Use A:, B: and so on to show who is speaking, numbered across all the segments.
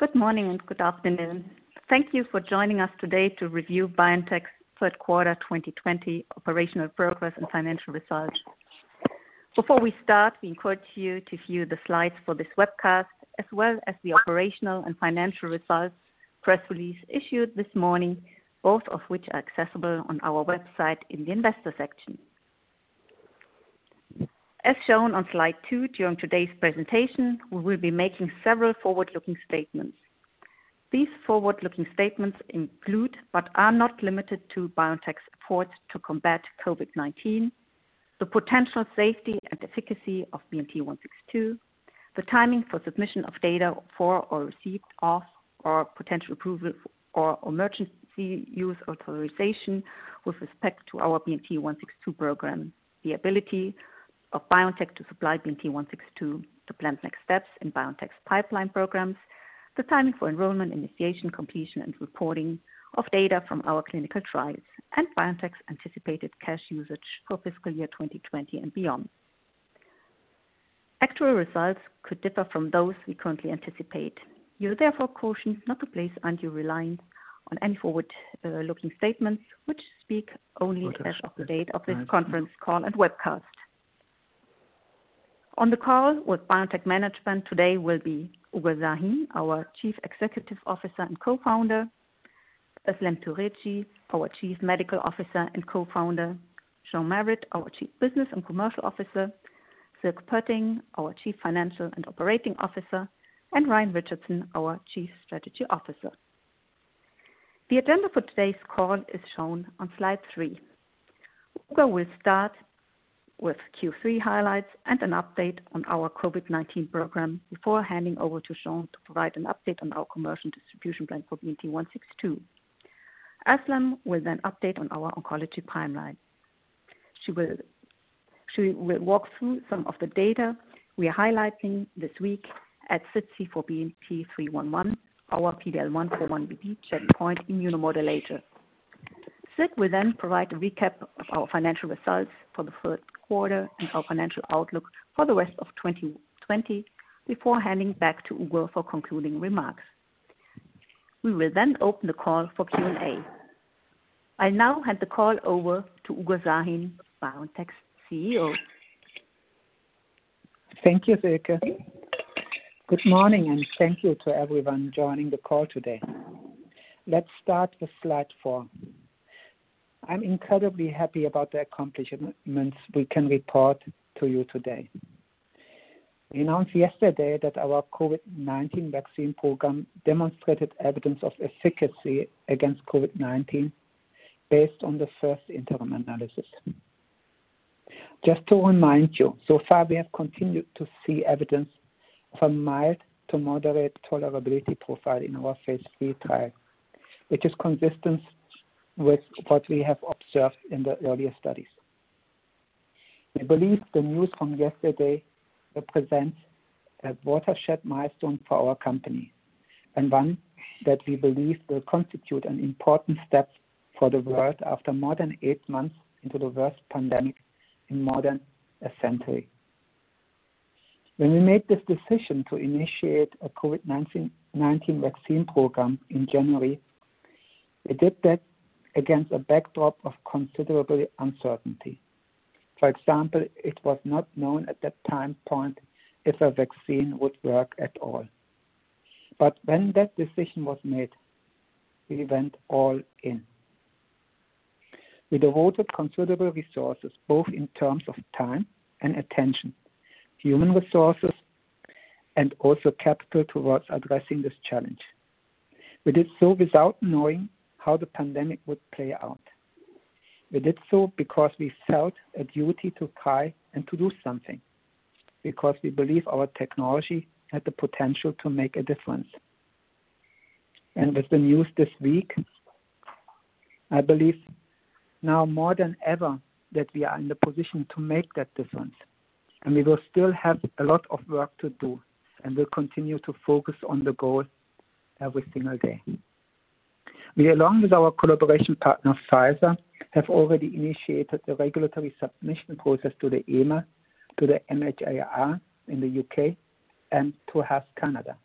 A: Good morning and good afternoon. Thank you for joining us today to review BioNTech's Third Quarter 2020 Operational Progress and Financial Results. Before we start, we encourage you to view the slides for this webcast, as well as the operational and financial results press release issued this morning, both of which are accessible on our website in the investor section. As shown on slide two, during today's presentation, we will be making several forward-looking statements. These forward-looking statements include, but are not limited to, BioNTech's efforts to combat COVID-19, the potential safety and efficacy of BNT162, the timing for submission of data for or received of or potential approval for emergency use authorization with respect to our BNT162 program, the ability of BioNTech to supply BNT162 to planned next steps in BioNTech's pipeline programs, the timing for enrollment, initiation, completion, and reporting of data from our clinical trials, and BioNTech's anticipated cash usage for fiscal year 2020 and beyond. Actual results could differ from those we currently anticipate. You are therefore cautioned not to place undue reliance on any forward-looking statements which speak only as of the date of this conference call and webcast. On the call with BioNTech management today will be Ugur Sahin, our Chief Executive Officer and Co-founder, Özlem Türeci, our Chief Medical Officer and Co-founder, Sean Marett, our Chief Business and Commercial Officer, Sierk Poetting, our Chief Financial and Operating Officer, and Ryan Richardson, our Chief Strategy Officer. The agenda for today's call is shown on slide three. Ugur will start with Q3 highlights and an update on our COVID-19 program before handing over to Sean to provide an update on our commercial distribution plan for BNT162. Özlem will update on our oncology pipeline. She will walk through some of the data we are highlighting this week at SITC for BNT311, our PD-L1/4-1BB checkpoint immunomodulator. Sierk will provide a recap of our financial results for the third quarter and our financial outlook for the rest of 2020 before handing back to Ugur for concluding remarks. We will then open the call for Q&A. I now hand the call over to Ugur Sahin, BioNTech's CEO.
B: Thank you, Sylke. Good morning. Thank you to everyone joining the call today. Let's start with slide four. I'm incredibly happy about the accomplishments we can report to you today. We announced yesterday that our COVID-19 vaccine program demonstrated evidence of efficacy against COVID-19 based on the first interim analysis. Just to remind you, so far, we have continued to see evidence of a mild to moderate tolerability profile in our phase III trial, which is consistent with what we have observed in the earlier studies. We believe the news from yesterday represents a watershed milestone for our company, and one that we believe will constitute an important step for the world after more than eight months into the worst pandemic in more than a century. When we made this decision to initiate a COVID-19 vaccine program in January, we did that against a backdrop of considerable uncertainty. For example, it was not known at that time point if a vaccine would work at all. When that decision was made, we went all in. We devoted considerable resources, both in terms of time and attention, human resources, and also capital towards addressing this challenge. We did so without knowing how the pandemic would play out. We did so because we felt a duty to try and to do something, because we believe our technology had the potential to make a difference. With the news this week, I believe now more than ever, that we are in the position to make that difference, and we will still have a lot of work to do, and we'll continue to focus on the goal every single day. We, along with our collaboration partner, Pfizer, have already initiated the regulatory submission process to the EMA, to the MHRA in the U.K., and to Health Canada.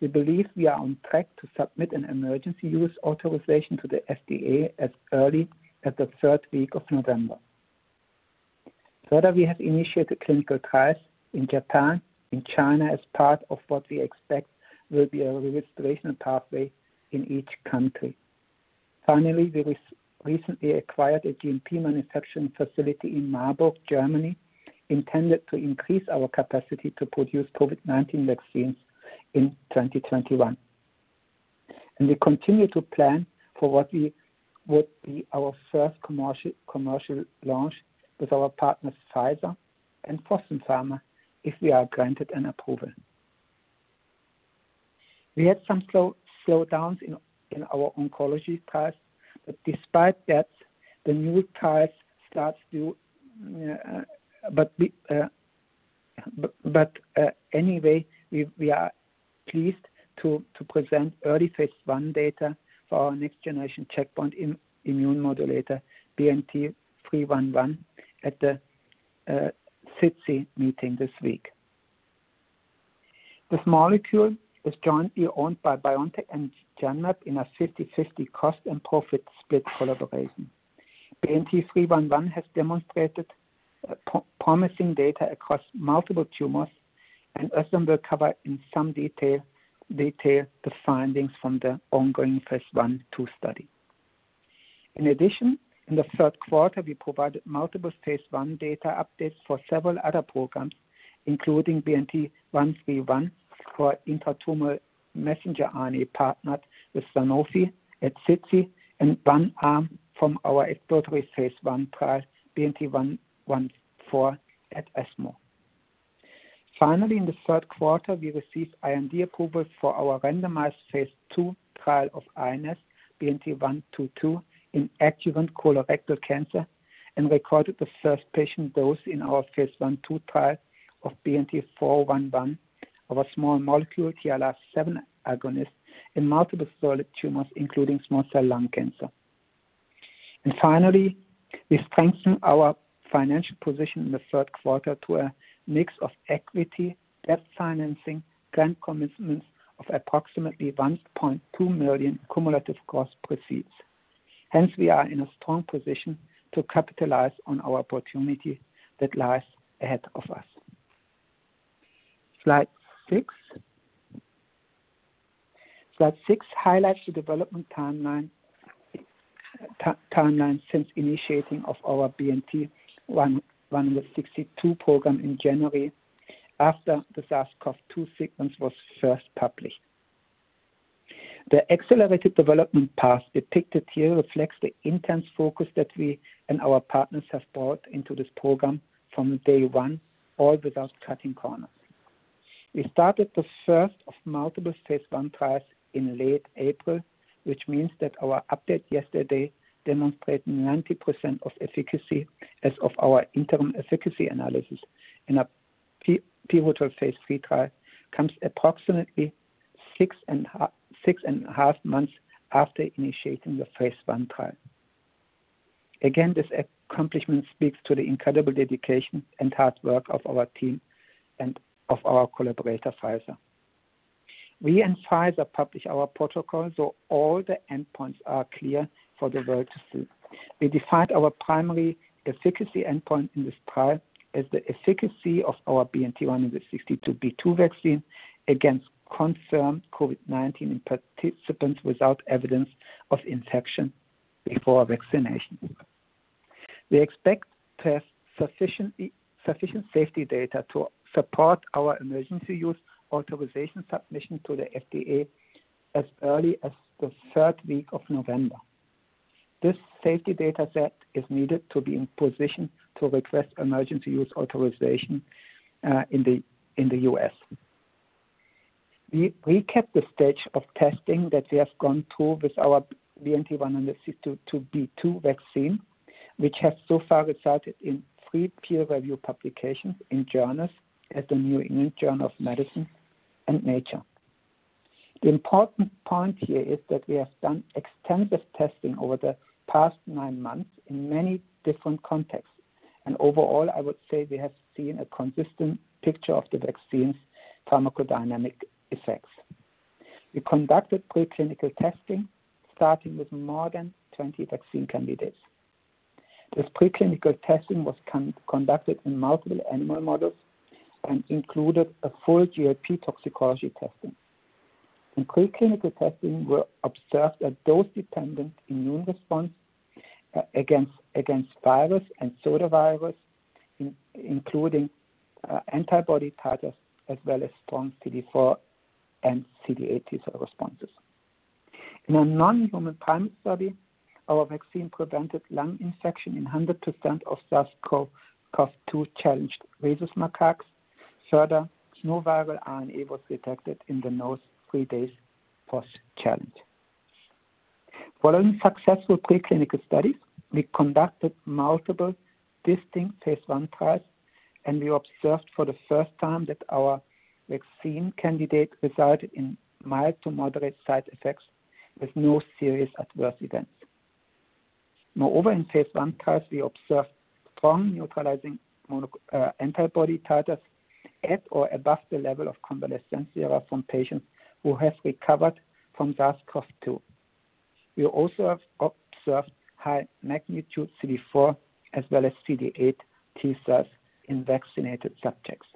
B: We believe we are on track to submit an emergency use authorization to the FDA as early as the third week of November. Further, we have initiated clinical trials in Japan and China as part of what we expect will be a registration pathway in each country. Finally, we recently acquired a GMP manufacturing facility in Marburg, Germany, intended to increase our capacity to produce COVID-19 vaccines in 2021. We continue to plan for what would be our first commercial launch with our partners, Pfizer and Fosun Pharma, if we are granted an approval. We had some slowdowns in our oncology trials, despite that, anyway, we are pleased to present early phase I data for our next generation checkpoint immune modulator, BNT311, at the SITC meeting this week. This molecule is jointly owned by BioNTech and Genmab in a 50/50 cost and profit split collaboration. BNT311 has demonstrated promising data across multiple tumors. Özlem will cover in some detail the findings from the ongoing phase I/II study. In addition, in the third quarter, we provided multiple phase I data updates for several other programs, including BNT131 for intra-tumor messenger RNA, partnered with Sanofi at SITC. One arm from our exploratory phase I trial, BNT114 at ESMO. Finally, in the third quarter, we received IND approval for our randomized phase II trial of iNeST, BNT122, in adjuvant colorectal cancer and recorded the first patient dose in our phase I/II trial of BNT411, our small molecule TLR7 agonist in multiple solid tumors, including small cell lung cancer. Finally, we strengthened our financial position in the third quarter to a mix of equity, debt financing, grant commitments of approximately 1.2 million cumulative gross proceeds. We are in a strong position to capitalize on our opportunity that lies ahead of us. Slide six. Slide six highlights the development timeline since initiating of our BNT162 program in January after the SARS-CoV-2 sequence was first published. The accelerated development path depicted here reflects the intense focus that we and our partners have brought into this program from day one, all without cutting corners. We started the first of multiple phase I trials in late April, which means that our update yesterday demonstrating 90% of efficacy as of our interim efficacy analysis in a pivotal phase III trial comes approximately six and a half months after initiating the phase I trial. Again, this accomplishment speaks to the incredible dedication and hard work of our team and of our collaborator, Pfizer. We and Pfizer publish our protocol. All the endpoints are clear for the world to see. We defined our primary efficacy endpoint in this trial as the efficacy of our BNT162b2 vaccine against confirmed COVID-19 in participants without evidence of infection before vaccination. We expect to have sufficient safety data to support our emergency use authorization submission to the FDA as early as the third week of November. This safety data set is needed to be in position to request emergency use authorization in the U.S. We recap the stage of testing that we have gone through with our BNT162b2 vaccine, which has so far resulted in three peer review publications in journals at the New England Journal of Medicine and Nature. The important point here is that we have done extensive testing over the past nine months in many different contexts. Overall, I would say we have seen a consistent picture of the vaccine's pharmacodynamic effects. We conducted preclinical testing starting with more than 20 vaccine candidates. This preclinical testing was conducted in multiple animal models and included a full GLP toxicology testing. In preclinical testing were observed a dose-dependent immune response against virus and coronavirus, including antibody titers, as well as strong CD4 and CD8 T cell responses. In a non-human primate study, our vaccine prevented lung infection in 100% of SARS-CoV-2 challenged rhesus macaques. Further, no viral RNA was detected in the nose three days post-challenge. Following successful preclinical studies, we conducted multiple distinct phase I trials, and we observed for the first time that our vaccine candidate resulted in mild to moderate side effects with no serious adverse events. Moreover, in phase I trials, we observed strong neutralizing antibody titers at or above the level of convalescent sera from patients who have recovered from SARS-CoV-2. We also have observed high magnitude CD4 as well as CD8 T cells in vaccinated subjects.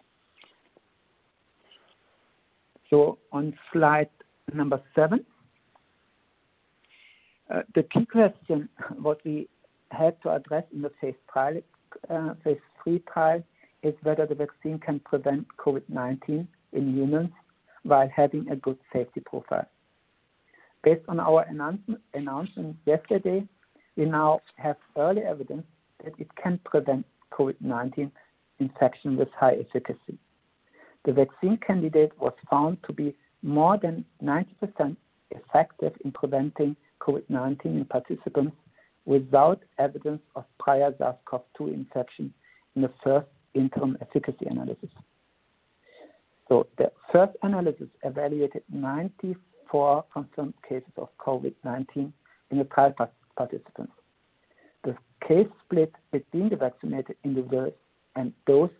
B: On slide number seven. The key question what we had to address in the phase III trial is whether the vaccine can prevent COVID-19 in humans while having a good safety profile. Based on our announcement yesterday, we now have early evidence that it can prevent COVID-19 infection with high efficacy. The vaccine candidate was found to be more than 90% effective in preventing COVID-19 in participants without evidence of prior SARS-CoV-2 infection in the first interim efficacy analysis. The first analysis evaluated 94 confirmed cases of COVID-19 in the trial participants. The case split between the vaccinated individuals and those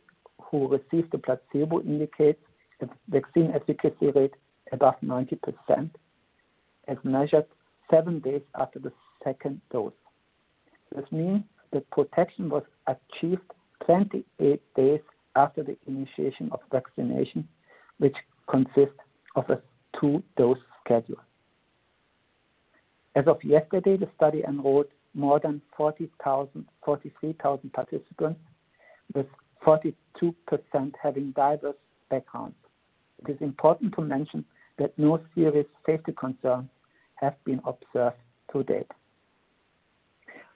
B: who received the placebo indicates the vaccine efficacy rate above 90%, as measured seven days after the second dose. This means the protection was achieved 28 days after the initiation of vaccination, which consists of a two-dose schedule. As of yesterday, the study enrolled more than 43,000 participants, with 42% having diverse backgrounds. It is important to mention that no serious safety concerns have been observed to date.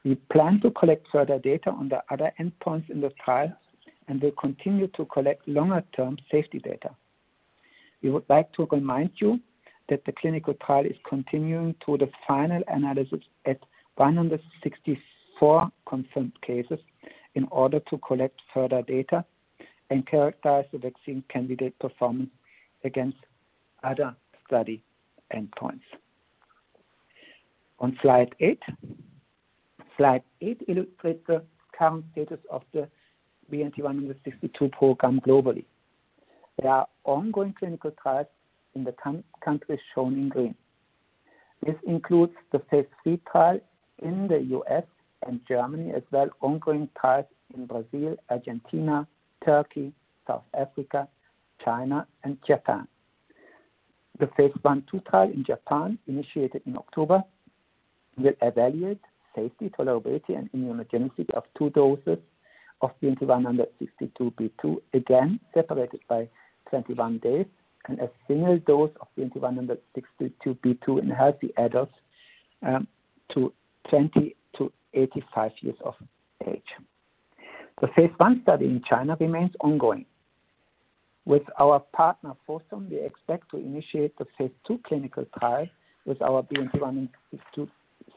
B: We plan to collect further data on the other endpoints in the trial, and we'll continue to collect longer-term safety data. We would like to remind you that the clinical trial is continuing to the final analysis at 164 confirmed cases in order to collect further data and characterize the vaccine candidate performance against other study endpoints. On slide eight. Slide eight illustrates the current status of the BNT162 program globally. There are ongoing clinical trials in the countries shown in green. This includes the phase III trial in the U.S. and Germany, as well as ongoing trials in Brazil, Argentina, Turkey, South Africa, China, and Japan. The phase I/II trial in Japan, initiated in October, will evaluate safety, tolerability, and immunogenicity of two doses of BNT162b2, again separated by 21 days, and a single dose of BNT162b2 in healthy adults 20-85 years of age. The phase I study in China remains ongoing. With our partner, Fosun, we expect to initiate the phase II clinical trial with our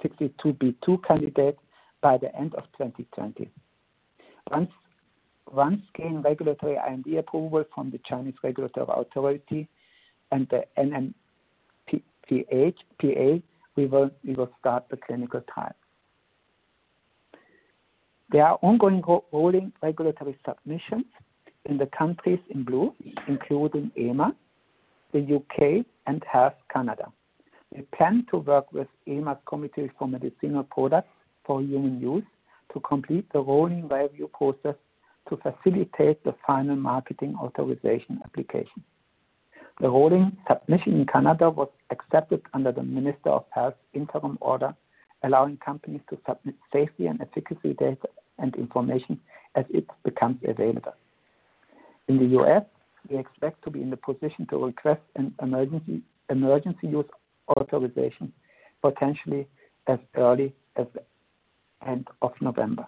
B: BNT162b2 candidate by the end of 2020. Once we gain regulatory IND approval from the Chinese regulatory authority and the NMPA, we will start the clinical trial. There are ongoing rolling regulatory submissions in the countries in blue, including EMA, the U.K., and Health Canada. We plan to work with EMA's Committee for Medicinal Products for Human Use to complete the rolling review process to facilitate the final Marketing Authorization Application. The rolling submission in Canada was accepted under the Minister of Health's interim order, allowing companies to submit safety and efficacy data and information as it becomes available. In the U.S., we expect to be in the position to request an Emergency Use Authorization, potentially as early as the end of November.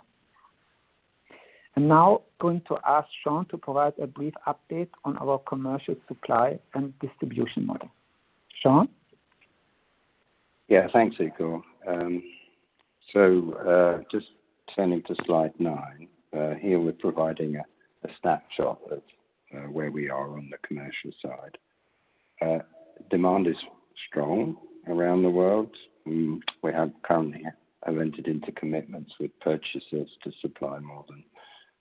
B: I'm now going to ask Sean to provide a brief update on our commercial supply and distribution model. Sean?
C: Yeah, thanks, Ugur. Just turning to slide nine. Here, we're providing a snapshot of where we are on the commercial side. Demand is strong around the world. We have currently entered into commitments with purchasers to supply more than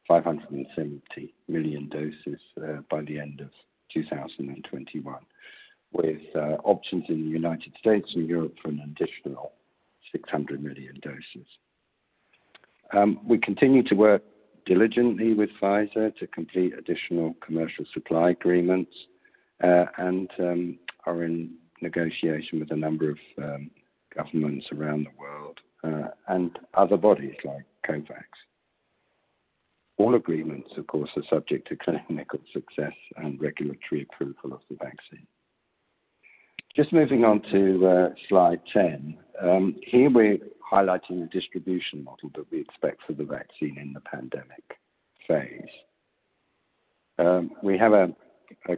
C: 570 million doses by the end of 2021, with options in the U.S. and Europe for an additional 600 million doses. We continue to work diligently with Pfizer to complete additional commercial supply agreements, and are in negotiation with a number of governments around the world, and other bodies like COVAX. All agreements, of course, are subject to clinical success and regulatory approval of the vaccine. Just moving on to slide 10. Here, we're highlighting the distribution model that we expect for the vaccine in the pandemic phase. We have a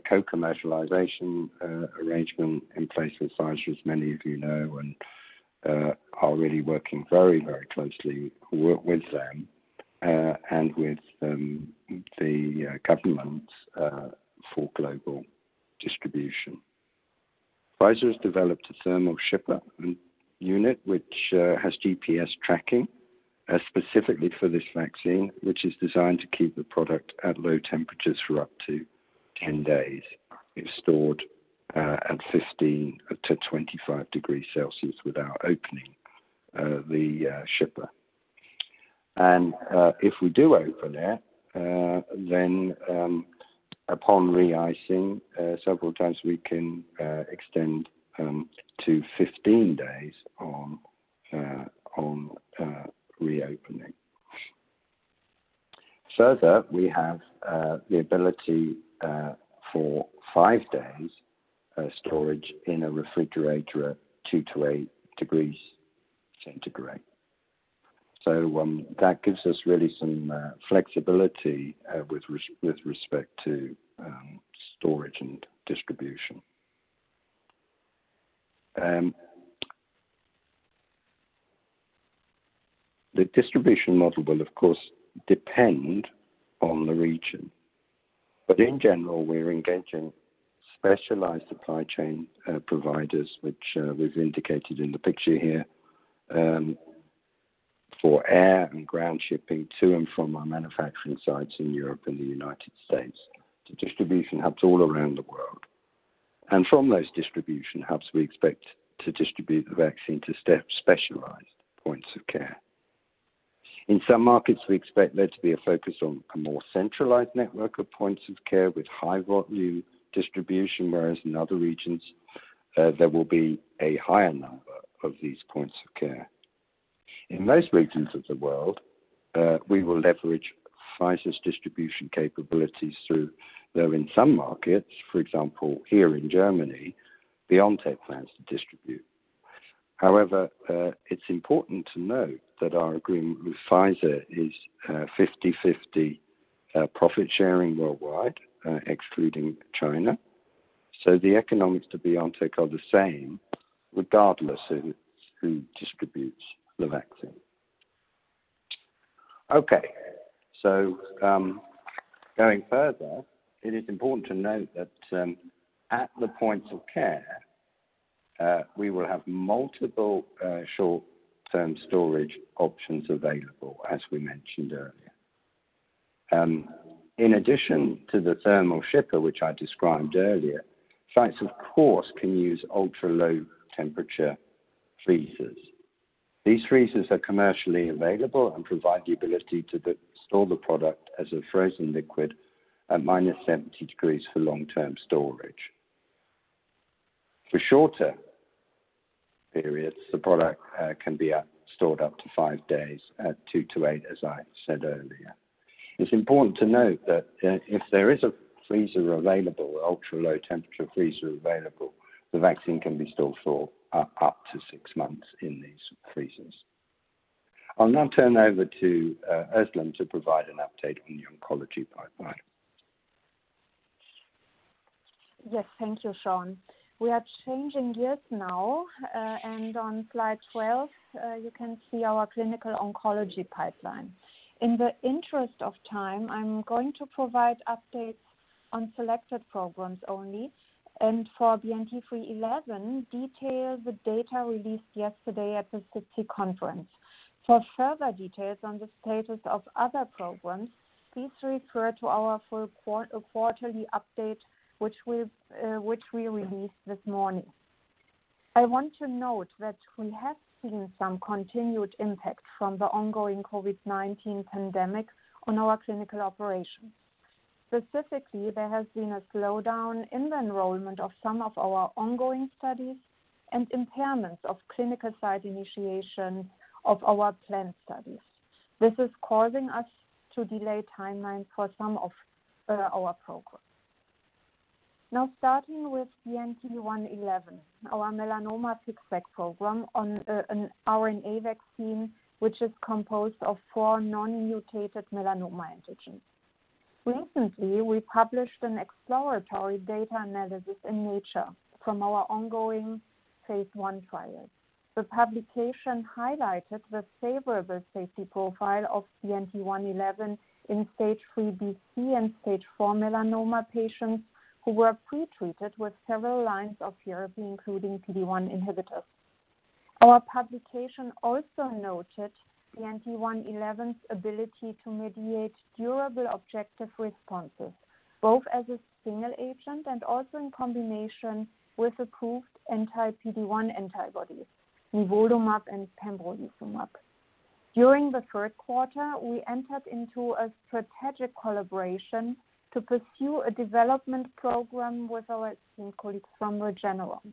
C: co-commercialization arrangement in place with Pfizer, as many of you know, and are really working very closely with them, and with the governments for global distribution. Pfizer has developed a thermal shipper unit, which has GPS tracking, specifically for this vaccine, which is designed to keep the product at low temperatures for up to 10 days if stored at 15-25 degrees Celsius without opening the shipper. If we do open it, then upon re-icing several times, we can extend to 15 days on reopening. Further, we have the ability for five days storage in a refrigerator at two to eight degrees centigrade. That gives us really some flexibility with respect to storage and distribution. The distribution model will, of course, depend on the region. In general, we're engaging specialized supply chain providers, which we've indicated in the picture here, for air and ground shipping to and from our manufacturing sites in Europe and the U.S. to distribution hubs all around the world. From those distribution hubs, we expect to distribute the vaccine to specialized points of care. In some markets, we expect there to be a focus on a more centralized network of points of care with high volume distribution, whereas in other regions, there will be a higher number of these points of care. In most regions of the world, we will leverage Pfizer's distribution capabilities through, though in some markets, for example, here in Germany, BioNTech plans to distribute. It's important to note that our agreement with Pfizer is a 50/50 profit sharing worldwide, excluding China. The economics to BioNTech are the same regardless of who distributes the vaccine. Okay. Going further, it is important to note that at the points of care, we will have multiple short-term storage options available, as we mentioned earlier. In addition to the thermal shipper, which I described earlier, sites, of course, can use ultra-low temperature freezers. These freezers are commercially available and provide the ability to store the product as a frozen liquid at -70 degrees for long-term storage. For shorter periods, the product can be stored up to five days at two to eight, as I said earlier. It's important to note that if there is a freezer available, an ultra-low temperature freezer available, the vaccine can be stored for up to six months in these freezers. I'll now turn over to Özlem to provide an update on the oncology pipeline.
D: Yes. Thank you, Sean. We are changing gears now. On slide 12, you can see our clinical oncology pipeline. In the interest of time, I'm going to provide updates on selected programs only. For BNT111, detail the data released yesterday at the SITC conference. For further details on the status of other programs, please refer to our full quarterly update, which we released this morning. I want to note that we have seen some continued impact from the ongoing COVID-19 pandemic on our clinical operations. Specifically, there has been a slowdown in the enrollment of some of our ongoing studies and impairments of clinical site initiation of our planned studies. This is causing us to delay timelines for some of our programs. Starting with BNT111, our melanoma FixVac program on an RNA vaccine, which is composed of four non-mutated melanoma antigens. Recently, we published an exploratory data analysis in "Nature" from our ongoing phase I trials. The publication highlighted the favorable safety profile of BNT111 in stage III-B/C and stage IV melanoma patients who were pre-treated with several lines of therapy, including PD-1 inhibitors. Our publication also noted BNT111's ability to mediate durable objective responses, both as a single agent and also in combination with approved anti-PD-1 antibodies, nivolumab and pembrolizumab. During the third quarter, we entered into a strategic collaboration to pursue a development program with our team colleagues from Regeneron.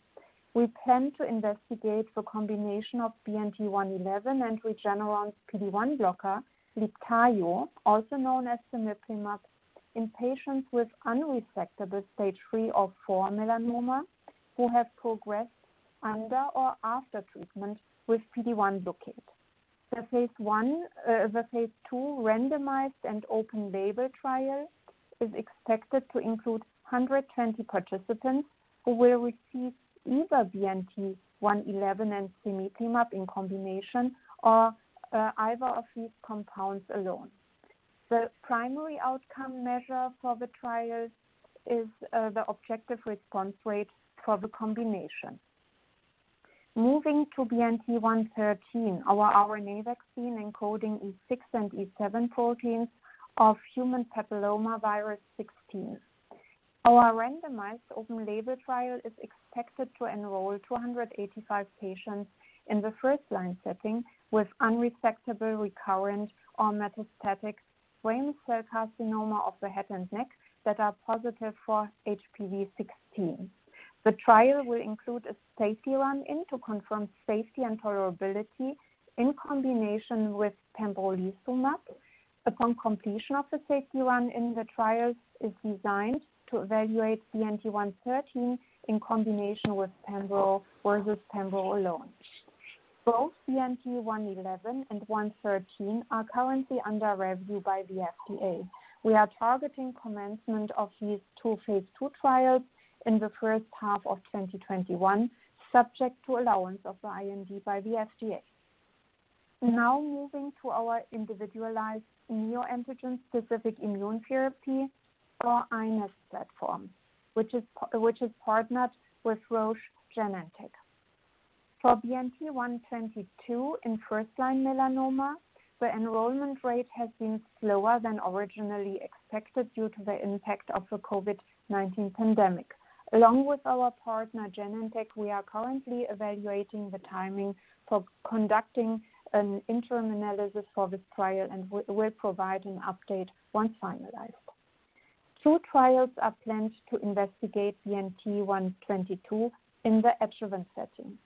D: We plan to investigate the combination of BNT111 and Regeneron's PD-1 blocker, Libtayo, also known as cemiplimab, in patients with unresectable stage III or IV melanoma who have progressed under or after treatment with PD-1 blockade. The phase II randomized and open-label trial is expected to include 120 participants who will receive either BNT111 and cemiplimab in combination or either of these compounds alone. The primary outcome measure for the trial is the objective response rate for the combination. Moving to BNT113, our RNA vaccine encoding E6 and E7 proteins of human papillomavirus 16. Our randomized open-label trial is expected to enroll 285 patients in the first-line setting with unresectable recurrent or metastatic squamous cell carcinoma of the head and neck that are positive for HPV16. The trial will include a safety run-in to confirm safety and tolerability in combination with pembrolizumab. Upon completion of the safety run-in, the trial is designed to evaluate BNT113 in combination with pembro versus pembro alone. Both BNT111 and 113 are currently under review by the FDA. We are targeting commencement of these two phase II trials in the first half of 2021, subject to allowance of the IND by the FDA. Now moving to our Individualized Neoantigen Specific Immunotherapy, our iNeST platform, which is partnered with Roche Genentech. For BNT122 in first-line melanoma, the enrollment rate has been slower than originally expected due to the impact of the COVID-19 pandemic. Along with our partner Genentech, we are currently evaluating the timing for conducting an interim analysis for this trial and we will provide an update once finalized. Two trials are planned to investigate BNT122 in the adjuvant setting.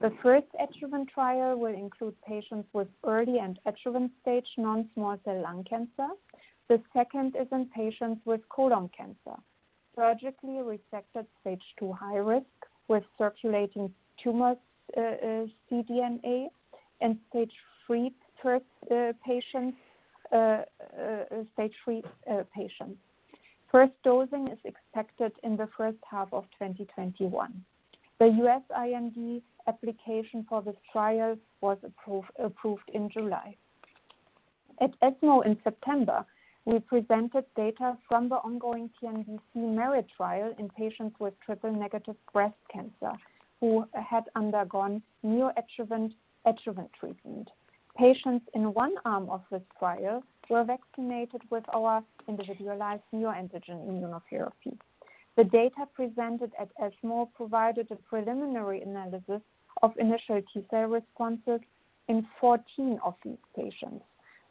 D: The first adjuvant trial will include patients with early and adjuvant stage non-small cell lung cancer. The second is in patients with colon cancer, surgically resected stage II high risk with circulating tumor ctDNA and stage III patients. First dosing is expected in the first half of 2021. The U.S. IND application for this trial was approved in July. At ESMO in September, we presented data from the ongoing TNBC MERIT trial in patients with triple-negative breast cancer who had undergone neo-adjuvant treatment. Patients in one arm of this trial were vaccinated with our individualized neoantigen immunotherapy. The data presented at ESMO provided a preliminary analysis of initial T cell responses in 14 of these patients.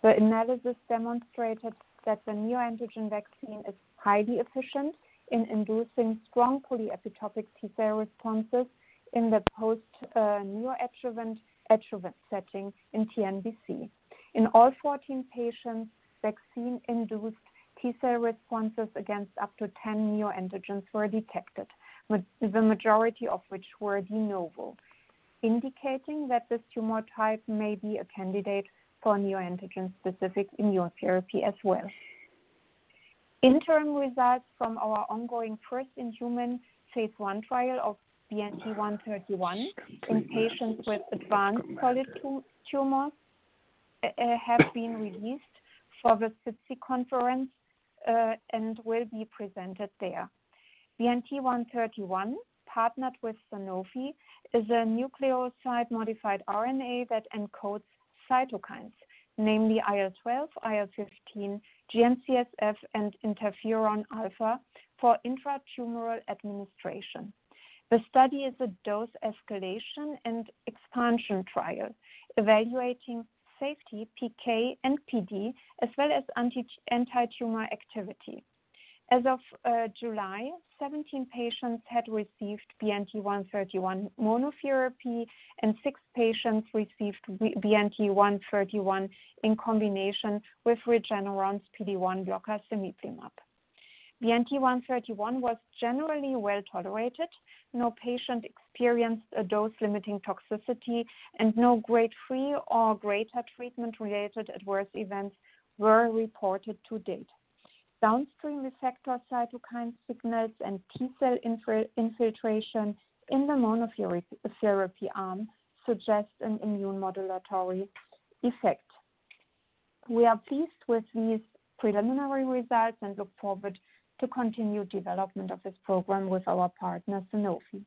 D: The analysis demonstrated that the neoantigen vaccine is highly efficient in inducing strong polyepitopic T cell responses in the post neo-adjuvant setting in TNBC. In all 14 patients, vaccine-induced T cell responses against up to 10 neoantigens were detected, the majority of which were de novo, indicating that this tumor type may be a candidate for neoantigen-specific immunotherapy as well. Interim results from our ongoing first-in-human phase I trial of BNT131 in patients with advanced colon tumors have been released for the SITC conference, and will be presented there. BNT131, partnered with Sanofi, is a nucleoside modified RNA that encodes cytokines, namely IL-12, IL-15, GM-CSF, and interferon alpha for intratumoral administration. The study is a dose escalation and expansion trial evaluating safety, PK, and PD, as well as antitumor activity. As of July, 17 patients had received BNT131 monotherapy, and six patients received BNT131 in combination with Regeneron's PD-1 blocker cemiplimab. BNT131 was generally well-tolerated. No patient experienced a dose-limiting toxicity and no grade three or greater treatment-related adverse events were reported to date. Downstream receptor cytokine signals and T cell infiltration in the monotherapy arm suggests an immunomodulatory effect. We are pleased with these preliminary results and look forward to continued development of this program with our partner, Sanofi.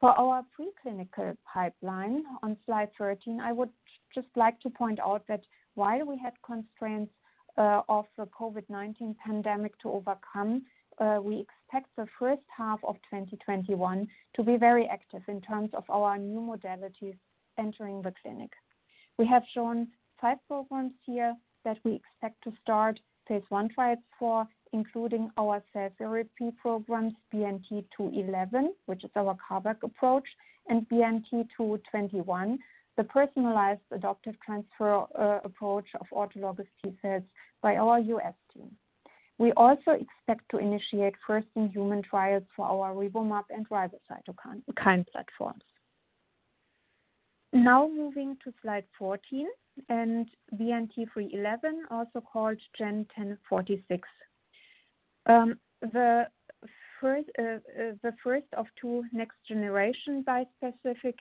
D: For our preclinical pipeline on slide 13, I would just like to point out that while we had constraints of the COVID-19 pandemic to overcome, we expect the first half of 2021 to be very active in terms of our new modalities entering the clinic. We have shown five programs here that we expect to start phase I trials for, including our cell therapy programs, BNT211, which is our CAR-T approach, and BNT221, the personalized adoptive transfer approach of autologous T cells by our U.S. team. We also expect to initiate first-in-human trials for our RiboMab and RiboCytokine platforms. Moving to slide 14 and BNT311, also called GEN1046. The first of two next generation bispecific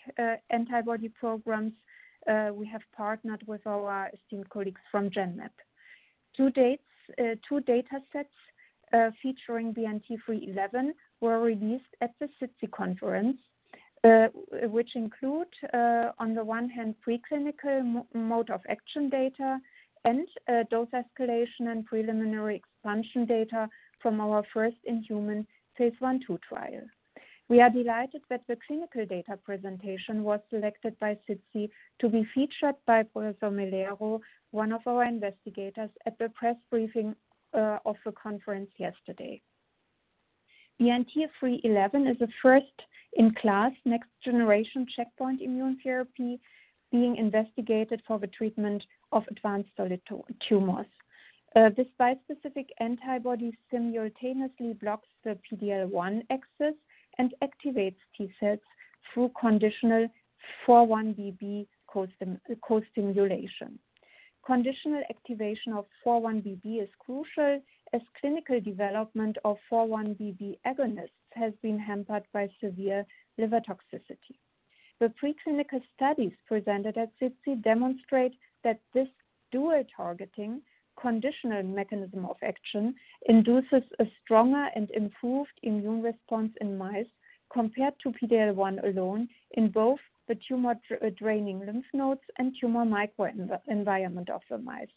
D: antibody programs we have partnered with our esteemed colleagues from Genmab. Two datasets featuring BNT311 were released at the SITC conference, which include, on the one hand, preclinical mode-of-action data and dose escalation and preliminary expansion data from our first-in-human phase I/II trial. We are delighted that the clinical data presentation was selected by SITC to be featured by Professor Melero, one of our investigators at the press briefing of the conference yesterday. BNT311 is a first-in-class next generation checkpoint immune therapy being investigated for the treatment of advanced solid tumors. This bispecific antibody simultaneously blocks the PD-L1 axis and activates T cells through conditional 4-1BB co-stimulation. Conditional activation of 4-1BB is crucial, as clinical development of 4-1BB agonists has been hampered by severe liver toxicity. The preclinical studies presented at SITC demonstrate that this dual targeting conditional mechanism of action induces a stronger and improved immune response in mice compared to PD-L1 alone in both the tumor-draining lymph nodes and tumor microenvironment of the mice.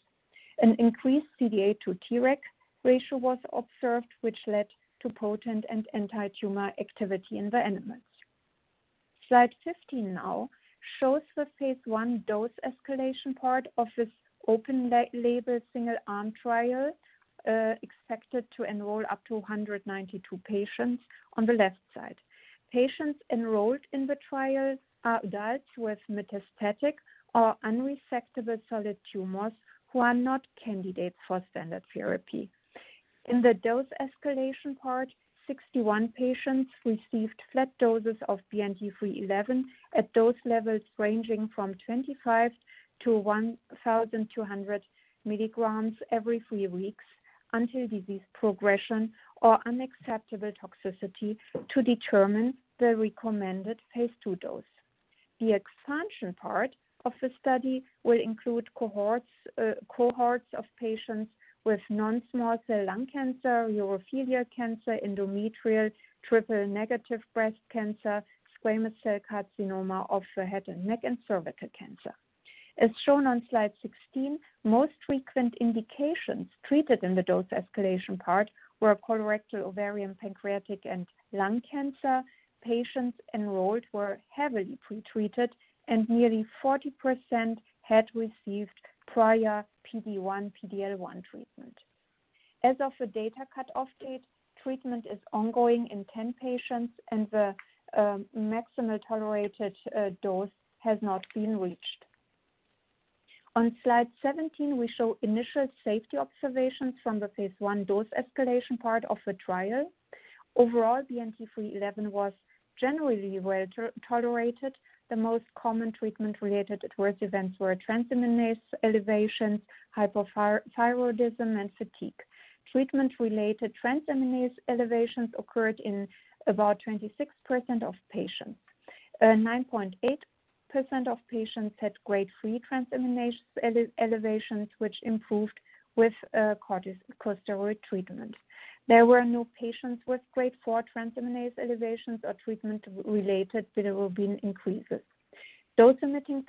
D: An increased CD8 to Treg ratio was observed, which led to potent and anti-tumor activity in the animals. Slide 15 now shows the phase I dose escalation part of this open label single arm trial, expected to enroll up to 192 patients on the left side. Patients enrolled in the trial are adults with metastatic or unresectable solid tumors who are not candidates for standard therapy. In the dose escalation part, 61 patients received flat doses of BNT311 at dose levels ranging from 25-1,200 milligrams every three weeks until disease progression or unacceptable toxicity to determine the recommended phase II dose. The expansion part of the study will include cohorts of patients with non-small cell lung cancer, urothelial cancer, endometrial triple-negative breast cancer, squamous cell carcinoma of the head and neck, and cervical cancer. As shown on slide 16, most frequent indications treated in the dose escalation part were colorectal, ovarian, pancreatic, and lung cancer. Patients enrolled were heavily pretreated, and nearly 40% had received prior PD-1, PD-L1 treatment. As of the data cut-off date, treatment is ongoing in 10 patients, and the maximum tolerated dose has not been reached. On slide 17, we show initial safety observations from the phase I dose escalation part of the trial. Overall, BNT311 was generally well-tolerated. The most common treatment-related adverse events were transaminase elevations, hypothyroidism, and fatigue. Treatment-related transaminase elevations occurred in about 26% of patients. 9.8% of patients had grade three transaminase elevations, which improved with corticosteroid treatment. There were no patients with grade four transaminase elevations or treatment-related bilirubin increases. Dose-limiting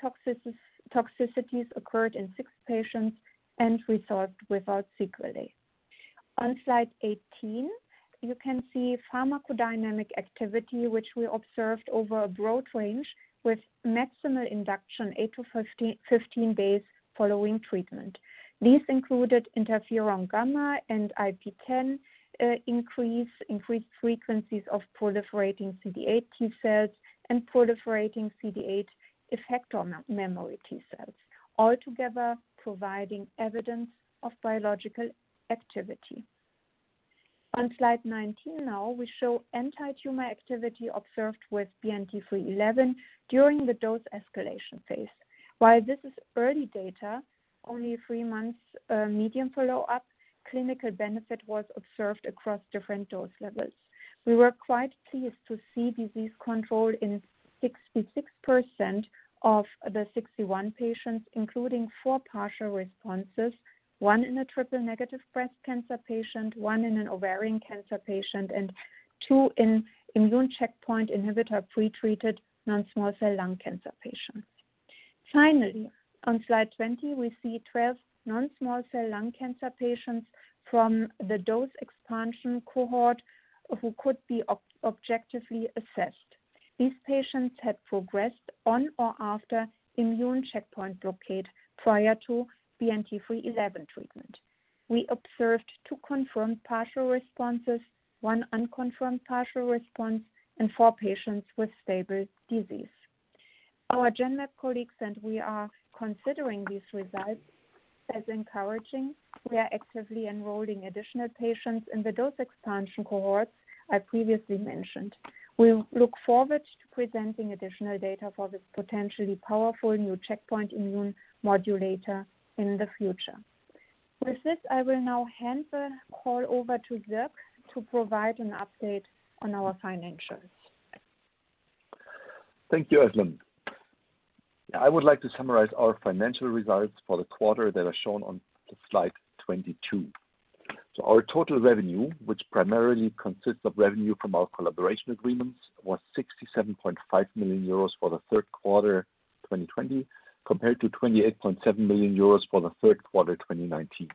D: toxicities occurred in six patients and resolved without sequelae. On slide 18, you can see pharmacodynamic activity, which we observed over a broad range with maximal induction 8-15 days following treatment. These included interferon gamma and IP-10 increase, increased frequencies of proliferating CD8 T cells, and proliferating CD8 effector memory T cells, altogether providing evidence of biological activity. On slide 19 now, we show anti-tumor activity observed with BNT311 during the dose escalation phase. While this is early data, only three months medium follow-up, clinical benefit was observed across different dose levels. We were quite pleased to see disease control in 66% of the 61 patients, including four partial responses, one in a triple-negative breast cancer patient, one in an ovarian cancer patient, and two in immune checkpoint inhibitor pretreated non-small cell lung cancer patients. Finally, on slide 20, we see 12 non-small cell lung cancer patients from the dose expansion cohort who could be objectively assessed. These patients had progressed on or after immune checkpoint blockade prior to BNT311 treatment. We observed two confirmed partial responses, one unconfirmed partial response, and four patients with stable disease. Our Genmab colleagues and we are considering these results as encouraging. We are actively enrolling additional patients in the dose expansion cohort I previously mentioned. We look forward to presenting additional data for this potentially powerful new checkpoint immune modulator in the future. With this, I will now hand the call over to Sierk to provide an update on our financials.
E: Thank you, Özlem. I would like to summarize our financial results for the quarter that are shown on slide 22. Our total revenue, which primarily consists of revenue from our collaboration agreements, was 67.5 million euros for the third quarter 2020, compared to 28.7 million euros for the third quarter 2019.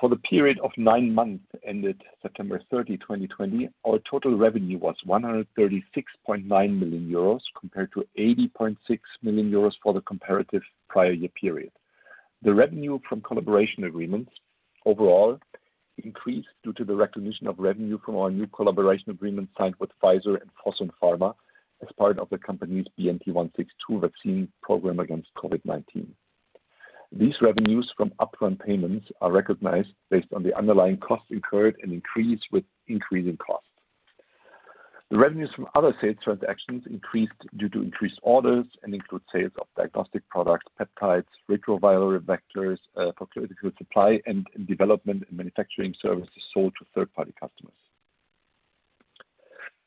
E: For the period of nine months ended September 30, 2020, our total revenue was 136.9 million euros compared to 80.6 million euros for the comparative prior year period. The revenue from collaboration agreements overall increased due to the recognition of revenue from our new collaboration agreement signed with Pfizer and Fosun Pharma as part of the company's BNT162 vaccine program against COVID-19. These revenues from upfront payments are recognized based on the underlying costs incurred and increase with increasing costs. The revenues from other sales transactions increased due to increased orders and include sales of diagnostic products, peptides, retroviral vectors for clinical supply and development and manufacturing services sold to third-party customers.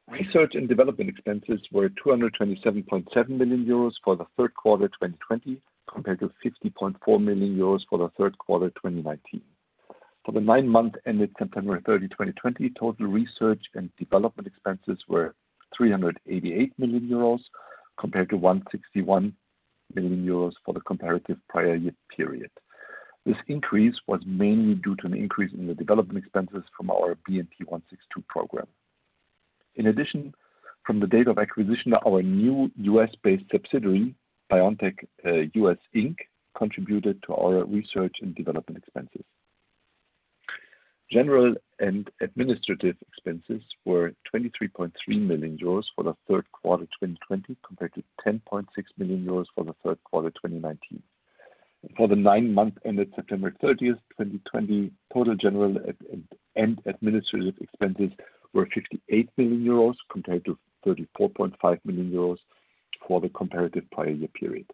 E: Research and development expenses were 227.7 million euros for the third quarter 2020 compared to 50.4 million euros for the third quarter 2019. For the nine months ended September 30, 2020, total research and development expenses were 388 million euros compared to 161 million euros for the comparative prior year period. This increase was mainly due to an increase in the development expenses from our BNT162 program. In addition, from the date of acquisition, our new U.S.-based subsidiary, BioNTech US Inc., contributed to our research and development expenses. General and administrative expenses were 23.3 million euros for the third quarter 2020 compared to 10.6 million euros for the third quarter 2019. For the nine months ended September 30th, 2020, total general and administrative expenses were 58 million euros compared to 34.5 million euros for the comparative prior year period.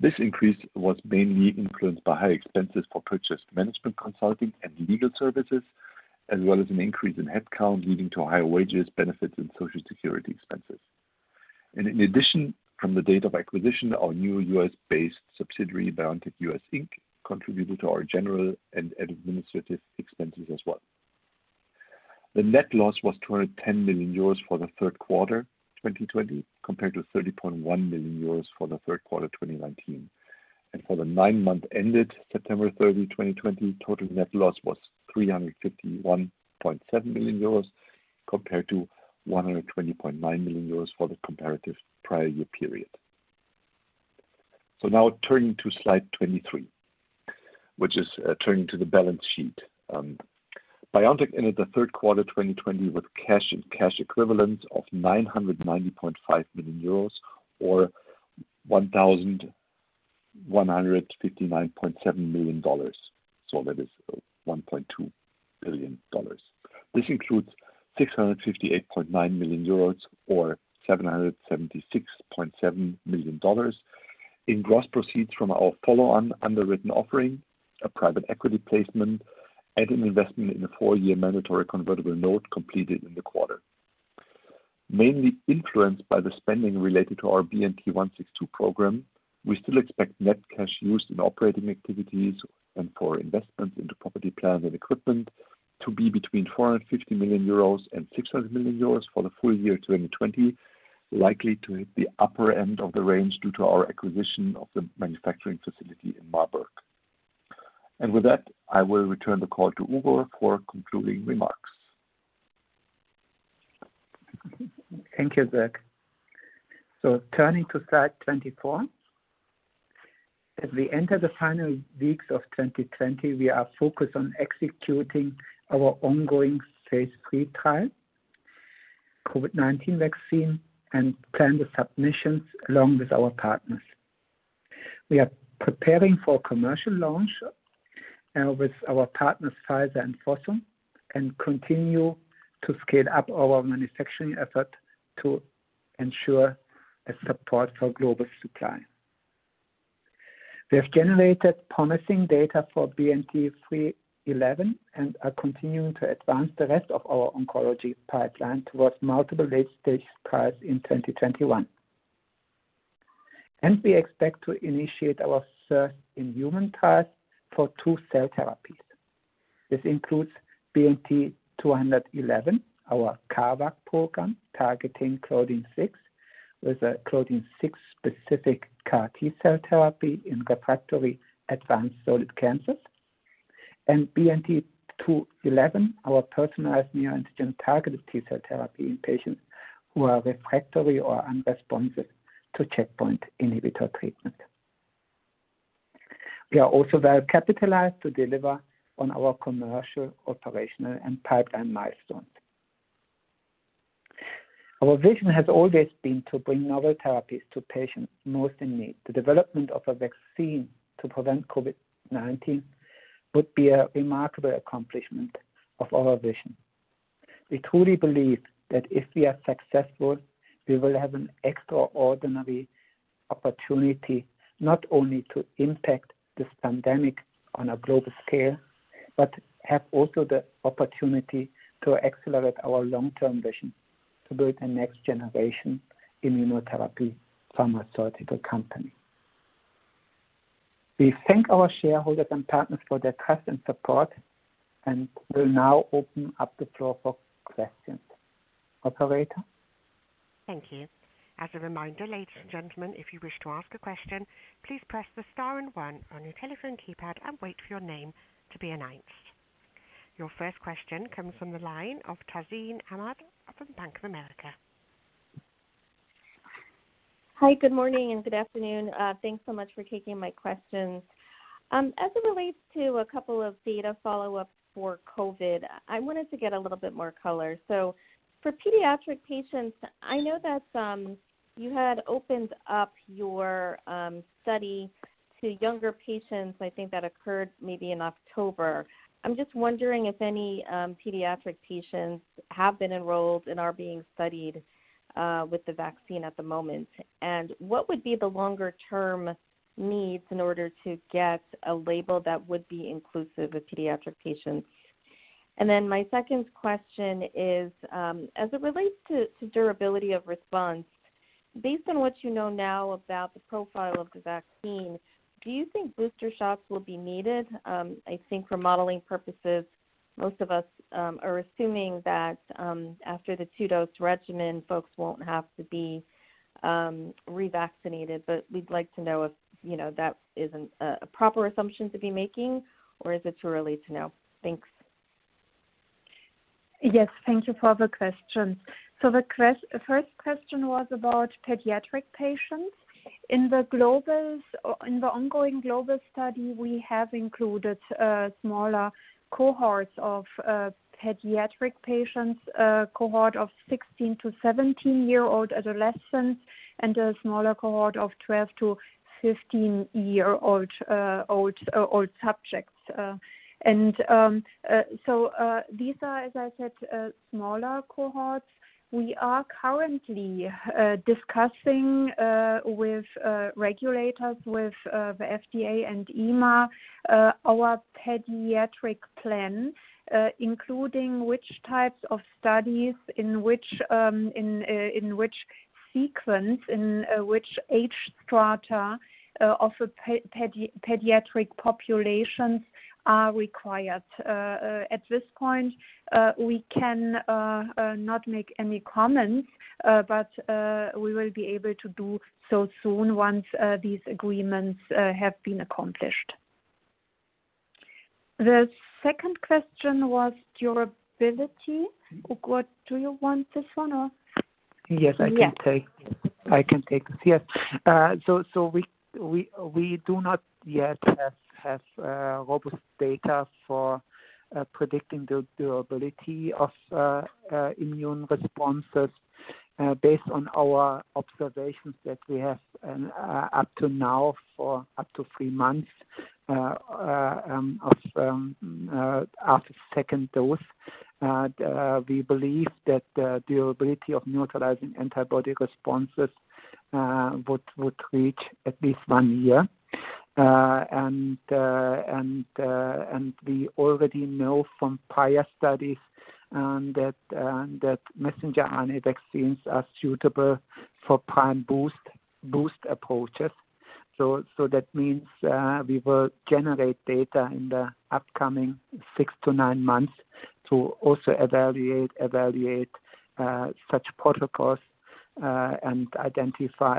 E: This increase was mainly influenced by high expenses for purchased management consulting and legal services, as well as an increase in headcount, leading to higher wages, benefits, and Social Security expenses. In addition, from the date of acquisition, our new U.S.-based subsidiary, BioNTech US Inc., contributed to our general and administrative expenses as well. The net loss was 210 million euros for the third quarter 2020 compared to 30.1 million euros for the third quarter 2019. For the nine months ended September 30, 2020, total net loss was 351.7 million euros compared to 120.9 million euros for the comparative prior year period. Now turning to slide 23, which is turning to the balance sheet. BioNTech ended the third quarter 2020 with cash and cash equivalents of 990.5 million euros or $1,159.7 million. That is $1.2 billion. This includes 658.9 million euros or $776.7 million in gross proceeds from our follow-on underwritten offering, a private equity placement, and an investment in a four-year mandatory convertible note completed in the quarter. Mainly influenced by the spending related to our BNT162 program, we still expect net cash used in operating activities and for investments into property, plant, and equipment to be between 450 million euros and 600 million euros for the full year 2020, likely to hit the upper end of the range due to our acquisition of the manufacturing facility in Marburg. With that, I will return the call to Ugur for concluding remarks.
B: Thank you, Sierk. Turning to slide 24. As we enter the final weeks of 2020, we are focused on executing our ongoing phase III trial COVID-19 vaccine and plan the submissions along with our partners. We are preparing for commercial launch with our partners, Pfizer and Fosun, and continue to scale up our manufacturing effort to ensure a support for global supply. We have generated promising data for BNT311 and are continuing to advance the rest of our oncology pipeline towards multiple late-stage trials in 2021. We expect to initiate our first in human trials for two cell therapies. This includes BNT211, our CARVac program targeting claudin 6, with a claudin 6 specific CAR-T cell therapy in refractory advanced solid cancers, and BNT221, our personalized neoantigen targeted T cell therapy in patients who are refractory or unresponsive to checkpoint inhibitor treatment. We are also well-capitalized to deliver on our commercial, operational, and pipeline milestones. Our vision has always been to bring novel therapies to patients most in need. The development of a vaccine to prevent COVID-19 would be a remarkable accomplishment of our vision. We truly believe that if we are successful, we will have an extraordinary opportunity not only to impact this pandemic on a global scale, but have also the opportunity to accelerate our long-term vision to build the next generation immunotherapy pharmaceutical company. We thank our shareholders and partners for their trust and support and will now open up the floor for questions. Operator?
F: Thank you. As a reminder, ladies and gentlemen, if you wish to ask a question, please press the star and one on your telephone keypad and wait for your name to be announced. Your first question comes from the line of Tazeen Ahmad from Bank of America.
G: Hi, good morning and good afternoon. Thanks so much for taking my questions. As it relates to a couple of data follow-ups for COVID-19, I wanted to get a little bit more color. For pediatric patients, I know that you had opened up your study to younger patients, I think that occurred maybe in October. I'm just wondering if any pediatric patients have been enrolled and are being studied with the vaccine at the moment. What would be the longer-term needs in order to get a label that would be inclusive of pediatric patients? My second question is, as it relates to durability of response, based on what you know now about the profile of the vaccine, do you think booster shots will be needed? I think for modeling purposes, most of us are assuming that after the two-dose regimen, folks won't have to be revaccinated. We'd like to know if that is a proper assumption to be making, or is it too early to know? Thanks.
D: Yes, thank you for the question. The first question was about pediatric patients. In the ongoing global study, we have included smaller cohorts of pediatric patients, a cohort of 16-17-year-old adolescents, and a smaller cohort of 12-15-year-old subjects. These are, as I said, smaller cohorts. We are currently discussing with regulators, with the FDA and EMA, our pediatric plan, including which types of studies, in which sequence, in which age strata of pediatric populations are required. At this point, we cannot make any comments, but we will be able to do so soon once these agreements have been accomplished. The second question was durability. Ugur, do you want this one
B: Yes, I can take this. We do not yet have robust data for predicting the durability of immune responses based on our observations that we have up to now for up to three months after second dose. We believe that the durability of neutralizing antibody responses would reach at least one year. We already know from prior studies that messenger RNA vaccines are suitable for prime boost approaches. That means we will generate data in the upcoming six-nine months to also evaluate such protocols and identify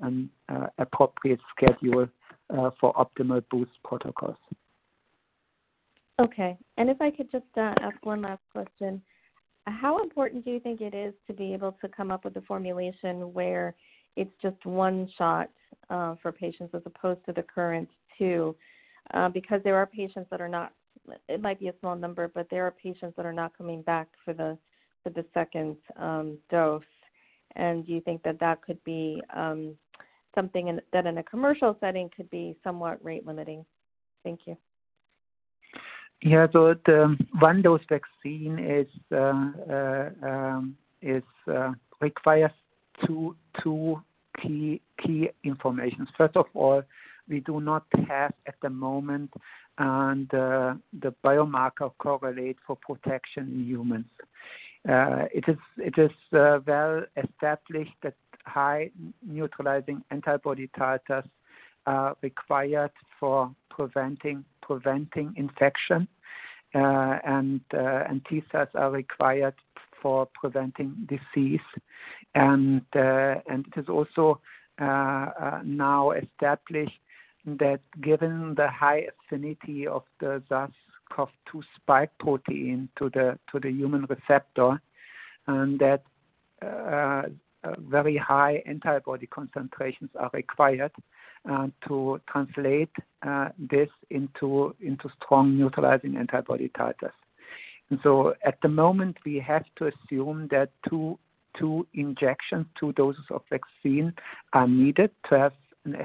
B: an appropriate schedule for optimal boost protocols.
G: Okay. If I could just ask one last question. How important do you think it is to be able to come up with a formulation where it's just one shot for patients as opposed to the current two? There are patients that are not, it might be a small number, but there are patients that are not coming back for the second dose. Do you think that that could be something that in a commercial setting could be somewhat rate limiting? Thank you.
B: Yeah. The one-dose vaccine requires two key informations. First of all, we do not have at the moment the biomarker correlate for protection in humans. It is well established that high neutralizing antibody titers are required for preventing infection, and T cells are required for preventing disease. It is also now established that given the high affinity of the SARS-CoV-2 spike protein to the human receptor, and that very high antibody concentrations are required to translate this into strong neutralizing antibody titers. At the moment, we have to assume that two injections, two doses of vaccine, are needed to have an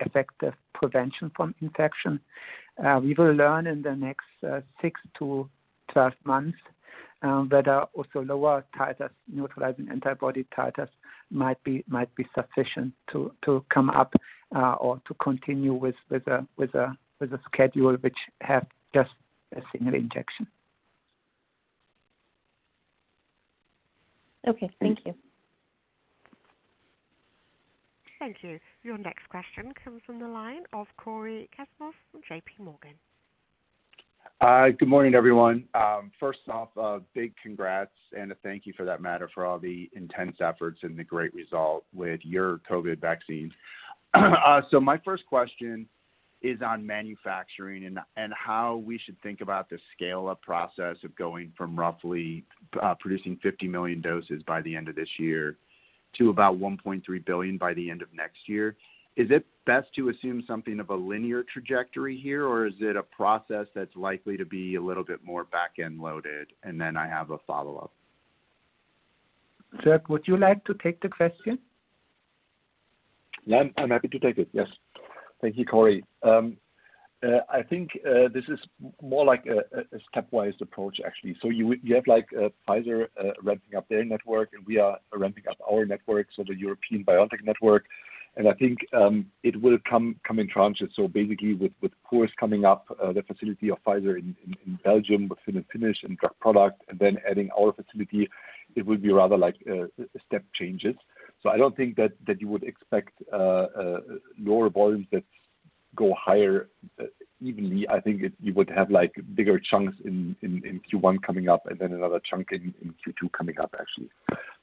B: effective prevention from infection. We will learn in the next 6-12 months that also lower neutralizing antibody titers might be sufficient to come up or to continue with a schedule which have just a single injection.
G: Okay. Thank you.
F: Thank you. Your next question comes from the line of Cory Kasimov from JPMorgan.
H: Good morning, everyone. First off, a big congrats and a thank you for that matter for all the intense efforts and the great result with your COVID vaccines. My first question is on manufacturing and how we should think about the scale-up process of going from roughly producing 50 million doses by the end of this year to about 1.3 billion by the end of next year. Is it best to assume something of a linear trajectory here, or is it a process that's likely to be a little bit more back-end loaded? Then I have a follow-up.
B: Sierk, would you like to take the question?
E: Yeah, I'm happy to take it. Yes. Thank you, Cory. I think this is more like a stepwise approach, actually. You have Pfizer ramping up their network, and we are ramping up our network, so the European BioNTech network, I think it will come in tranches. Basically with course coming up, the facility of Pfizer in Belgium with fill and finish and drug product, then adding our facility, it will be rather like step changes. I don't think that you would expect lower volumes that go higher evenly. I think you would have bigger chunks in Q1 coming up then another chunk in Q2 coming up, actually.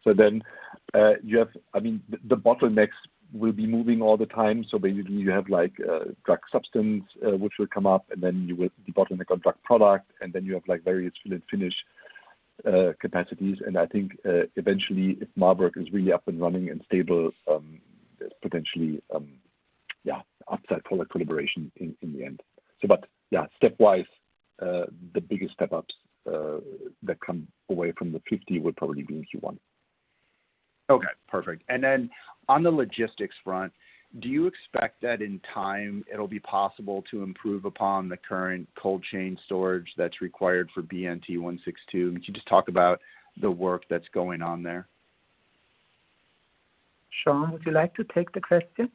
E: The bottlenecks will be moving all the time. Basically you have drug substance, which will come up, then you will bottleneck on drug product, then you have various fill and finish capacities. I think, eventually, if Marburg is really up and running and stable, potentially, yeah, upside collaboration in the end. Stepwise, the biggest step-ups that come away from 50 would probably be in Q1.
H: Okay, perfect. Then on the logistics front, do you expect that in time it'll be possible to improve upon the current cold chain storage that's required for BNT162? Could you just talk about the work that's going on there?
B: Sean, would you like to take the question?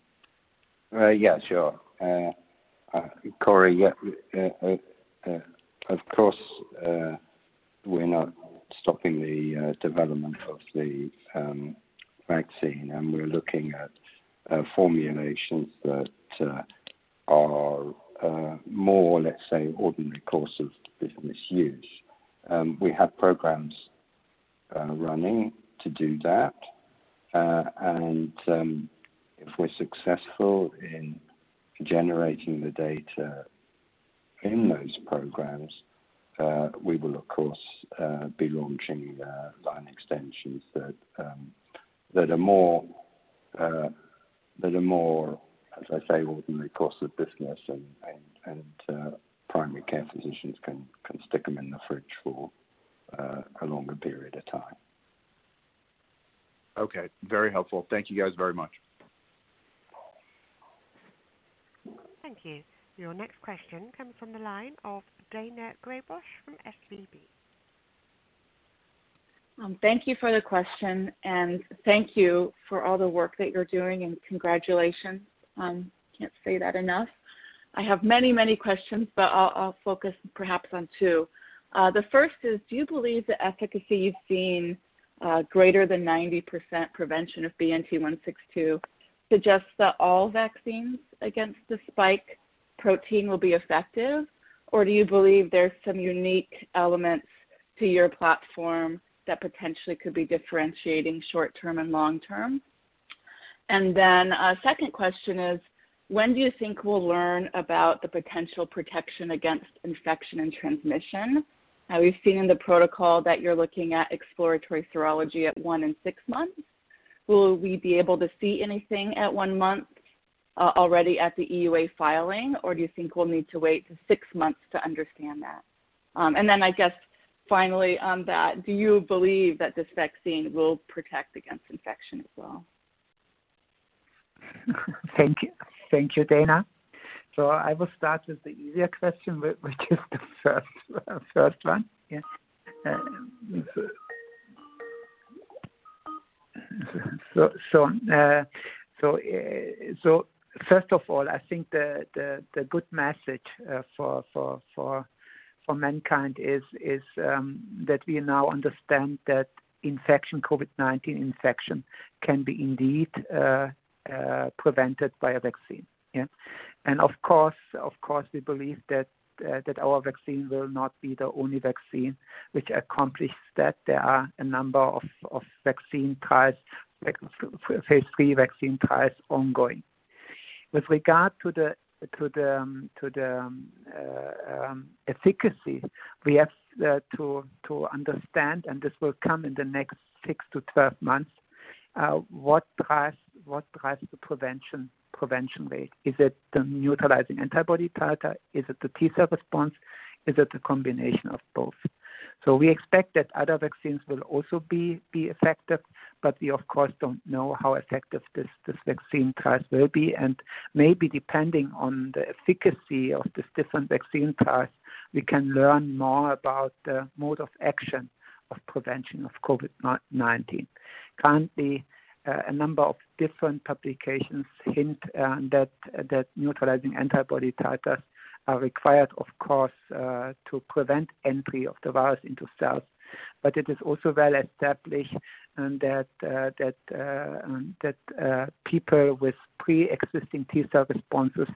C: Yeah, sure. Cory, of course, we're not stopping the development of the vaccine, and we're looking at formulations that are more, let's say, ordinary course of business use. We have programs running to do that. If we're successful in generating the data in those programs, we will of course be launching line extensions that are more, as I say, ordinary course of business and primary care physicians can stick them in the fridge for a longer period of time.
H: Okay. Very helpful. Thank you guys very much.
F: Thank you. Your next question comes from the line of Daina Graybosch from SVB.
I: Thank you for the question. Thank you for all the work that you're doing, and congratulations. Can't say that enough. I have many questions. I'll focus perhaps on two. The first is, do you believe the efficacy you've seen, greater than 90% prevention of BNT162, suggests that all vaccines against the spike protein will be effective? Do you believe there's some unique elements to your platform that potentially could be differentiating short term and long term? A second question is, when do you think we'll learn about the potential protection against infection and transmission? We've seen in the protocol that you're looking at exploratory serology at one in six months. Will we be able to see anything at one month already at the EUA filing, or do you think we'll need to wait to six months to understand that? I guess finally on that, do you believe that this vaccine will protect against infection as well?
B: Thank you, Daina. I will start with the easier question, which is the first one. Yeah. First of all, I think the good message for mankind is that we now understand that COVID-19 infection can be indeed prevented by a vaccine. Yeah. Of course, we believe that our vaccine will not be the only vaccine which accomplishes that. There are a number of vaccine trials, phase III vaccine trials ongoing. With regard to the efficacy, we have to understand, and this will come in the next 6-12 months, what drives the prevention rate? Is it the neutralizing antibody titer? Is it the T cell response? Is it a combination of both? We expect that other vaccines will also be effective, but we of course don't know how effective these vaccine trials will be, and maybe depending on the efficacy of these different vaccine trials, we can learn more about the mode of action of prevention of COVID-19. Currently, a number of different publications hint that neutralizing antibody titers are required, of course, to prevent entry of the virus into cells. It is also well established that people with preexisting T cell responses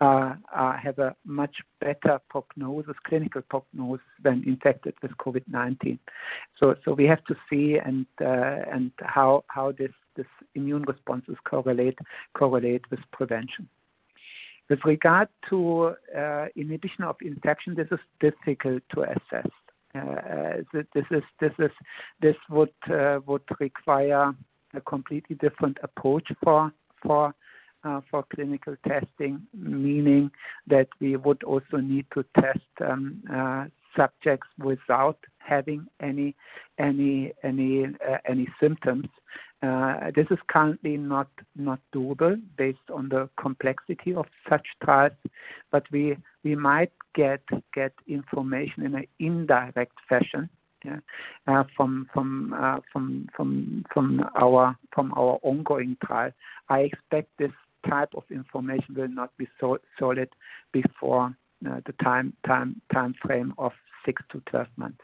B: have a much better prognosis, clinical prognosis, when infected with COVID-19. We have to see how these immune responses correlate with prevention. With regard to inhibition of infection, this is difficult to assess. This would require a completely different approach for clinical testing, meaning that we would also need to test subjects without having any symptoms. This is currently not doable based on the complexity of such trials. We might get information in an indirect fashion from our ongoing trial. I expect this type of information will not be solid before the time frame of 6-12 months.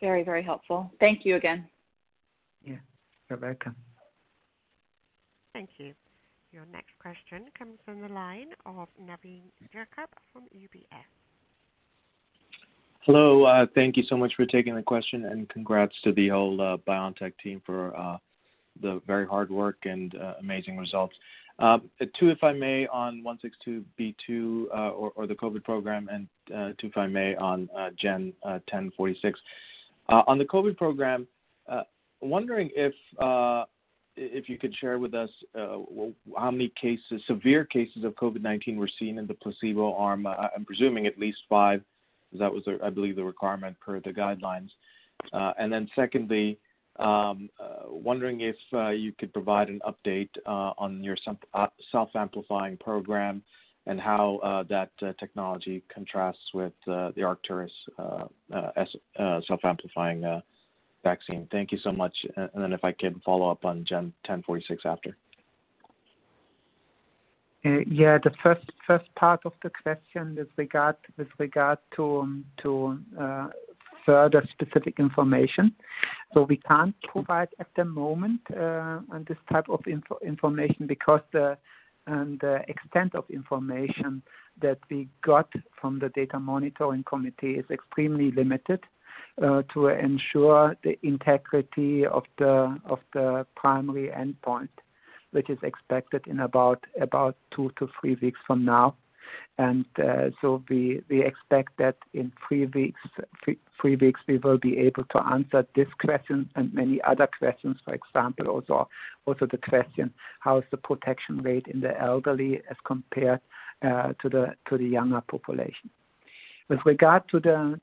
I: Very helpful. Thank you again.
B: Yeah. You're welcome.
F: Thank you. Your next question comes from the line of Navin Jacob from UBS.
J: Hello. Thank you so much for taking the question and congrats to the whole BioNTech team for the very hard work and amazing results. Two, if I may, on BNT162b2 or the COVID program, and two, if I may, on GEN1046. On the COVID program, wondering if you could share with us how many severe cases of COVID-19 were seen in the placebo arm. I'm presuming at least five, because that was, I believe, the requirement per the guidelines. Secondly, wondering if you could provide an update on your self-amplifying program and how that technology contrasts with the Arcturus self-amplifying vaccine. Thank you so much. If I can follow up on GEN1046 after.
B: Yeah. The first part of the question with regard to further specific information. We can't provide at the moment on this type of information because the extent of information that we got from the data monitoring committee is extremely limited to ensure the integrity of the primary endpoint, which is expected in about two to three weeks from now. We expect that in three weeks, we will be able to answer this question and many other questions. For example, also the question, how is the protection rate in the elderly as compared to the younger population? With regard to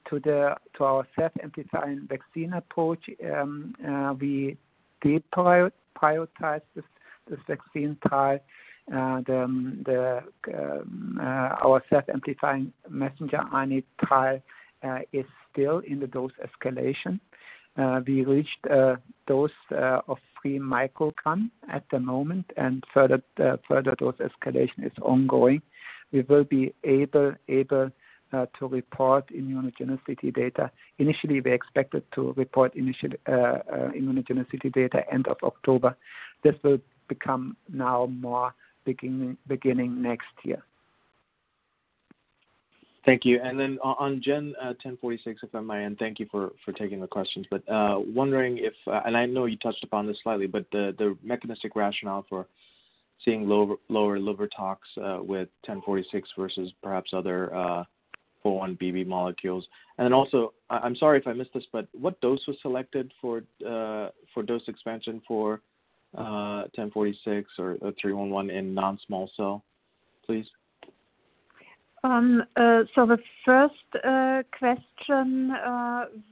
B: our self-amplifying vaccine approach, we did prioritize this vaccine trial. Our self-amplifying messenger RNA trial is still in the dose escalation. We reached a dose of three microgram at the moment, and further dose escalation is ongoing. We will be able to report immunogenicity data. Initially, we expected to report immunogenicity data end of October. This will become now more beginning next year.
J: Thank you. Then on GEN1046, if I may, and thank you for taking the questions. Wondering if, and I know you touched upon this slightly, but the mechanistic rationale for seeing lower liver tox with 1046 versus perhaps other 4-1BB molecules. Then also, I'm sorry if I missed this, but what dose was selected for dose expansion for 1046 or 311 in non-small cell, please?
D: The first question,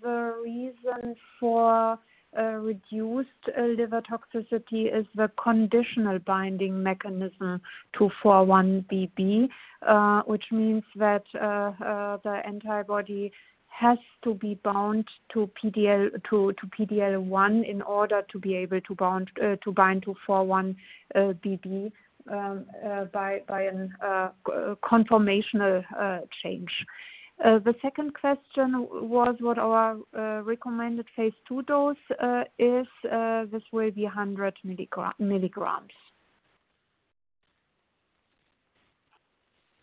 D: the reason for reduced liver toxicity is the conditional binding mechanism to 4-1BB, which means that the antibody has to be bound to PD-L1 in order to be able to bind to 4-1BB by a conformational change. The second question was what our recommended phase II dose is. This will be 100 milligrams.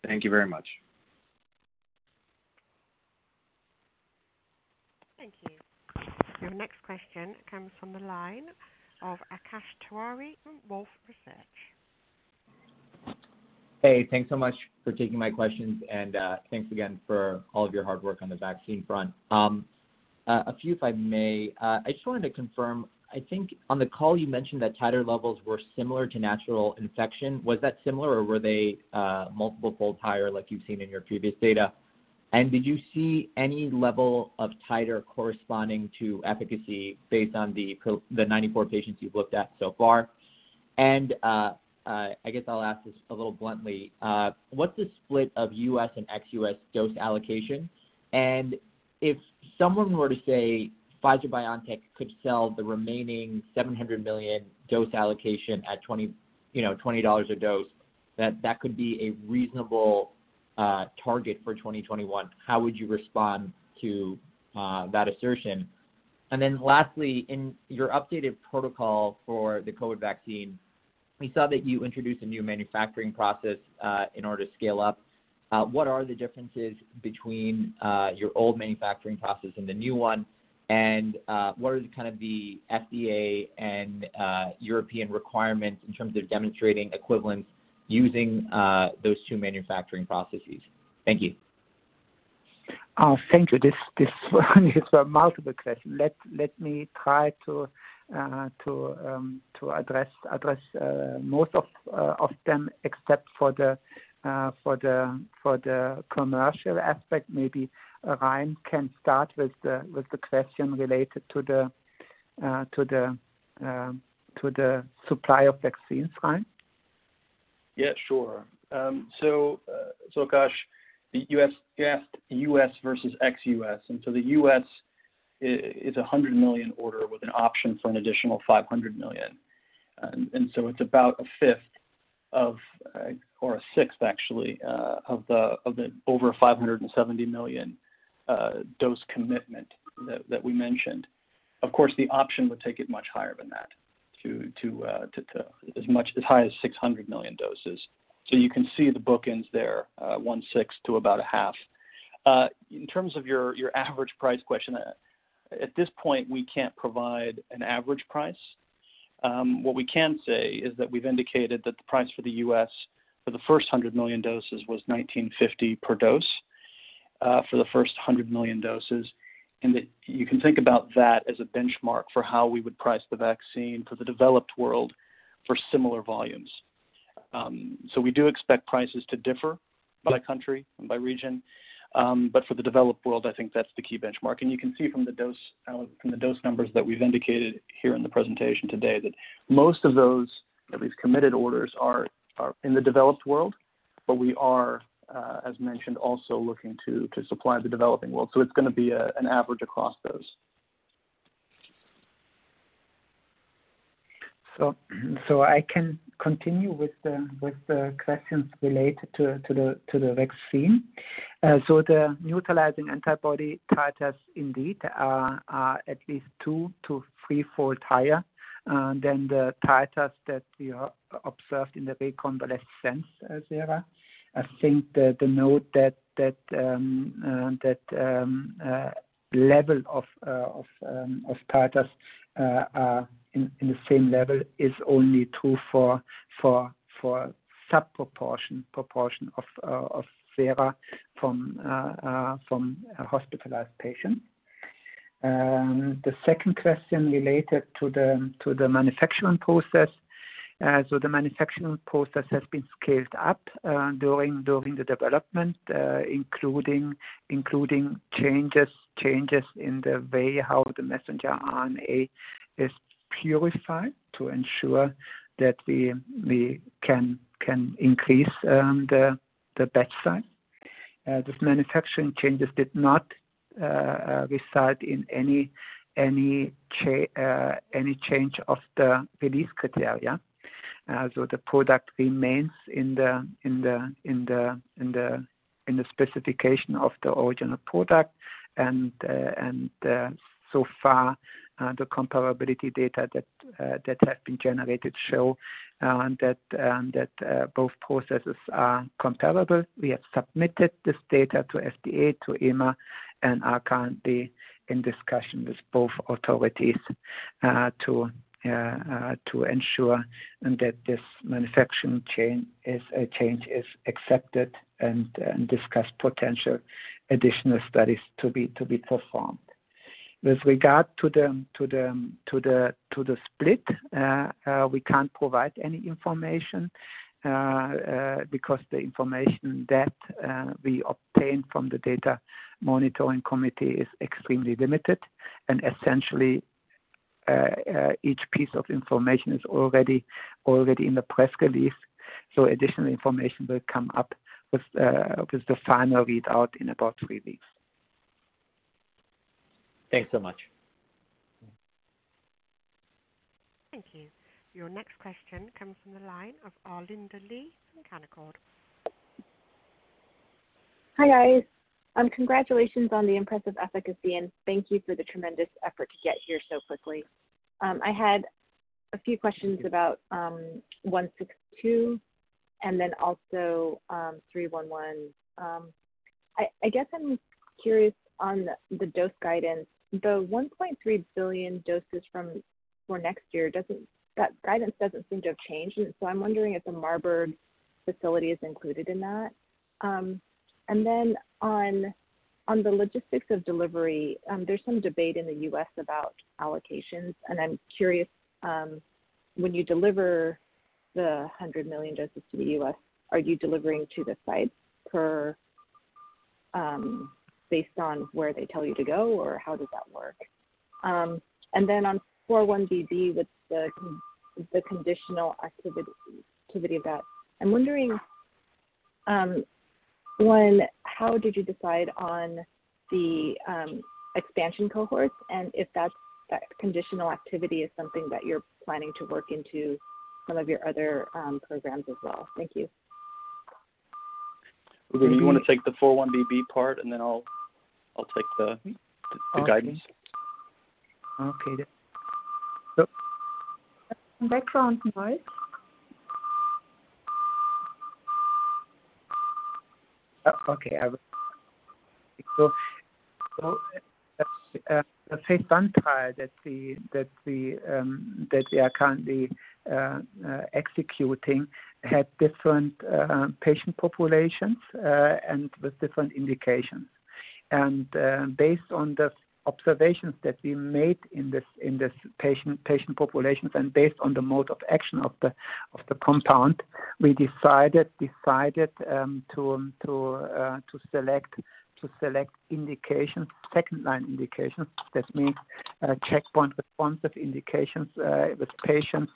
J: Thank you very much.
F: Thank you. Your next question comes from the line of Akash Tewari from Wolfe Research.
K: Hey, thanks so much for taking my questions, and thanks again for all of your hard work on the vaccine front. A few if I may. I just wanted to confirm, I think on the call you mentioned that titer levels were similar to natural infection. Was that similar, or were they multiple folds higher like you've seen in your previous data? Did you see any level of titer corresponding to efficacy based on the 94 patients you've looked at so far? I guess I'll ask this a little bluntly. What's the split of U.S. and ex-U.S. dose allocation? If someone were to say Pfizer-BioNTech could sell the remaining 700 million dose allocation at 20 a dose, that that could be a reasonable target for 2021, how would you respond to that assertion? Lastly, in your updated protocol for the COVID vaccine, we saw that you introduced a new manufacturing process in order to scale up. What are the differences between your old manufacturing process and the new one? What are the FDA and European requirements in terms of demonstrating equivalence using those two manufacturing processes? Thank you.
B: Thank you. This one is a multiple question. Let me try to address most of them, except for the commercial aspect. Maybe Ryan can start with the question related to the supply of vaccines. Ryan?
L: Yeah, sure. Akash, you asked U.S. versus ex-U.S., the U.S. is 100 million order with an option for an additional 500 million. It's about a fifth, or a sixth, actually, of the over 570 million dose commitment that we mentioned. Of course, the option would take it much higher than that, to as high as 600 million doses. You can see the bookends there, 1/6 to about a half. In terms of your average price question, at this point, we can't provide an average price. What we can say is that we've indicated that the price for the U.S. for the first 100 million doses was $19.50 per dose for the first 100 million doses. That you can think about that as a benchmark for how we would price the vaccine for the developed world for similar volumes. We do expect prices to differ by country and by region. For the developed world, I think that's the key benchmark. You can see from the dose numbers that we've indicated here in the presentation today that most of those, at least committed orders, are in the developed world. We are, as mentioned, also looking to supply the developing world. It's going to be an average across those.
B: I can continue with the questions related to the vaccine. The neutralizing antibody titers indeed are at least two to threefold higher than the titers that we observed in the convalescent sera. I think that the note that level of titers are in the same level is only true for sub proportion of sera from hospitalized patients. The second question related to the manufacturing process. The manufacturing process has been scaled up during the development, including changes in the way how the messenger RNA is purified to ensure that we can increase the batch size. These manufacturing changes did not result in any change of the release criteria. The product remains in the specification of the original product. So far, the comparability data that have been generated show that both processes are comparable. We have submitted this data to FDA to EMA, and are currently in discussion with both authorities to ensure that this manufacturing change is accepted and discuss potential additional studies to be performed. With regard to the split, we can't provide any information, because the information that we obtain from the data monitoring committee is extremely limited, and essentially, each piece of information is already in the press release, so additional information will come up with the final readout in about three weeks.
K: Thanks so much.
F: Thank you. Your next question comes from the line of Arlinda Lee from Canaccord.
M: Hi, guys. Congratulations on the impressive efficacy, and thank you for the tremendous effort to get here so quickly. I had a few questions about 162 and then also 311. I guess I'm curious on the dose guidance. The 1.3 billion doses for next year, that guidance doesn't seem to have changed, and so I'm wondering if the Marburg facility is included in that. On the logistics of delivery, there's some debate in the U.S. about allocations, and I'm curious, when you deliver the 100 million doses to the U.S., are you delivering to the sites based on where they tell you to go, or how does that work? On 4-1BB, with the conditional activity of that, I'm wondering, one, how did you decide on the expansion cohorts, and if that conditional activity is something that you're planning to work into some of your other programs as well? Thank you.
L: Özlem, do you want to take the 4-1BB part, and then I'll take the guidance?
B: Okay.
D: Background noise .
B: Okay, [inaudible] phase I trial that we are currently executing had different patient populations and with different indications. Based on the observations that we made in these patient populations, and based on the mode of action of the compound, we decided to select second-line indications. That means checkpoint responsive indications with patients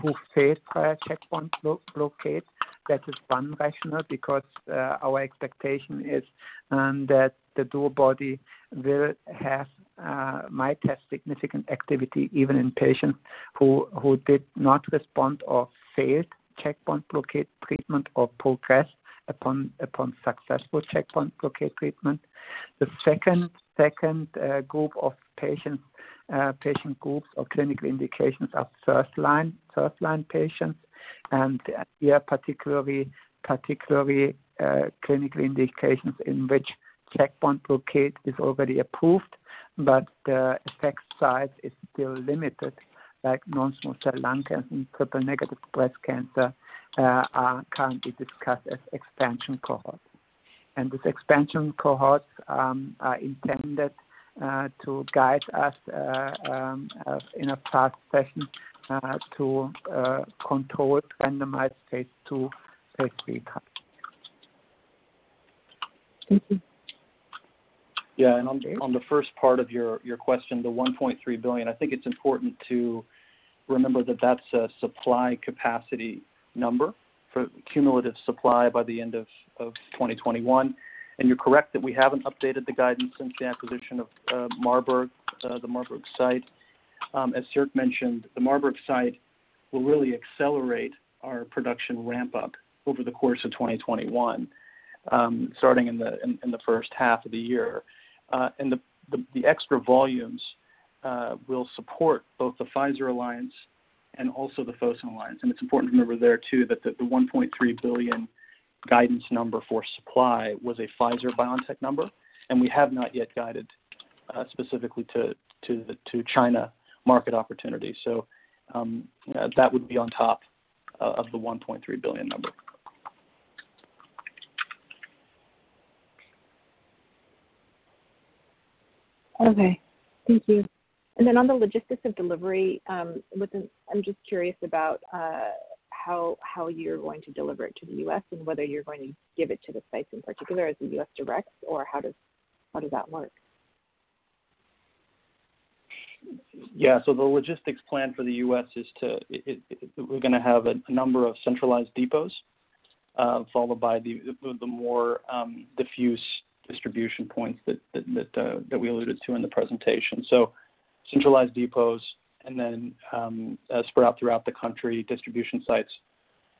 B: who failed prior checkpoint blockade. That is one rationale, because our expectation is that the DuoBody might have significant activity even in patients who did not respond or failed checkpoint blockade treatment or progressed upon successful checkpoint blockade treatment. The second group of patient groups or clinical indications are first-line patients, and here particularly clinical indications in which checkpoint blockade is already approved, but the effect size is still limited, like non-small cell lung cancer and triple-negative breast cancer are currently discussed as expansion cohorts. These expansion cohorts are intended to guide us, in a past session, to a controlled randomized phase II/III trial.
M: Thank you.
L: Yeah. On the first part of your question, the 1.3 billion, I think it's important to remember that that's a supply capacity number for cumulative supply by the end of 2021. You're correct that we haven't updated the guidance since the acquisition of Marburg, the Marburg site. As Sierk mentioned, the Marburg site will really accelerate our production ramp-up over the course of 2021, starting in the first half of the year. The extra volumes will support both the Pfizer alliance and also the Fosun alliance. It's important to remember there too, that the 1.3 billion guidance number for supply was a Pfizer BioNTech number, and we have not yet guided specifically to China market opportunity. That would be on top of the 1.3 billion number.
M: Okay. Thank you. On the logistics of delivery, I'm just curious about how you're going to deliver it to the U.S. and whether you're going to give it to the sites in particular as a U.S. direct, or how does that work?
L: Yeah. The logistics plan for the U.S. is we're going to have a number of centralized depots, followed by the more diffuse distribution points that we alluded to in the presentation. Centralized depots and then spread out throughout the country, distribution sites,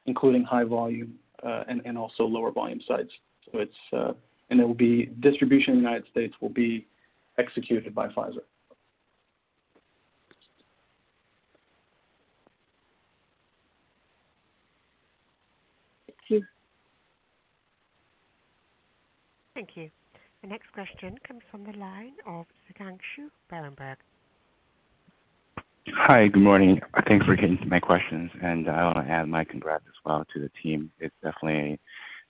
L: including high volume, and also lower volume sites. Distribution in the United States will be executed by Pfizer.
M: Thank you.
F: Thank you. The next question comes from the line of Zhiqiang Shu, Berenberg.
N: Hi, good morning. Thanks for getting to my questions. I want to add my congrats as well to the team. It is definitely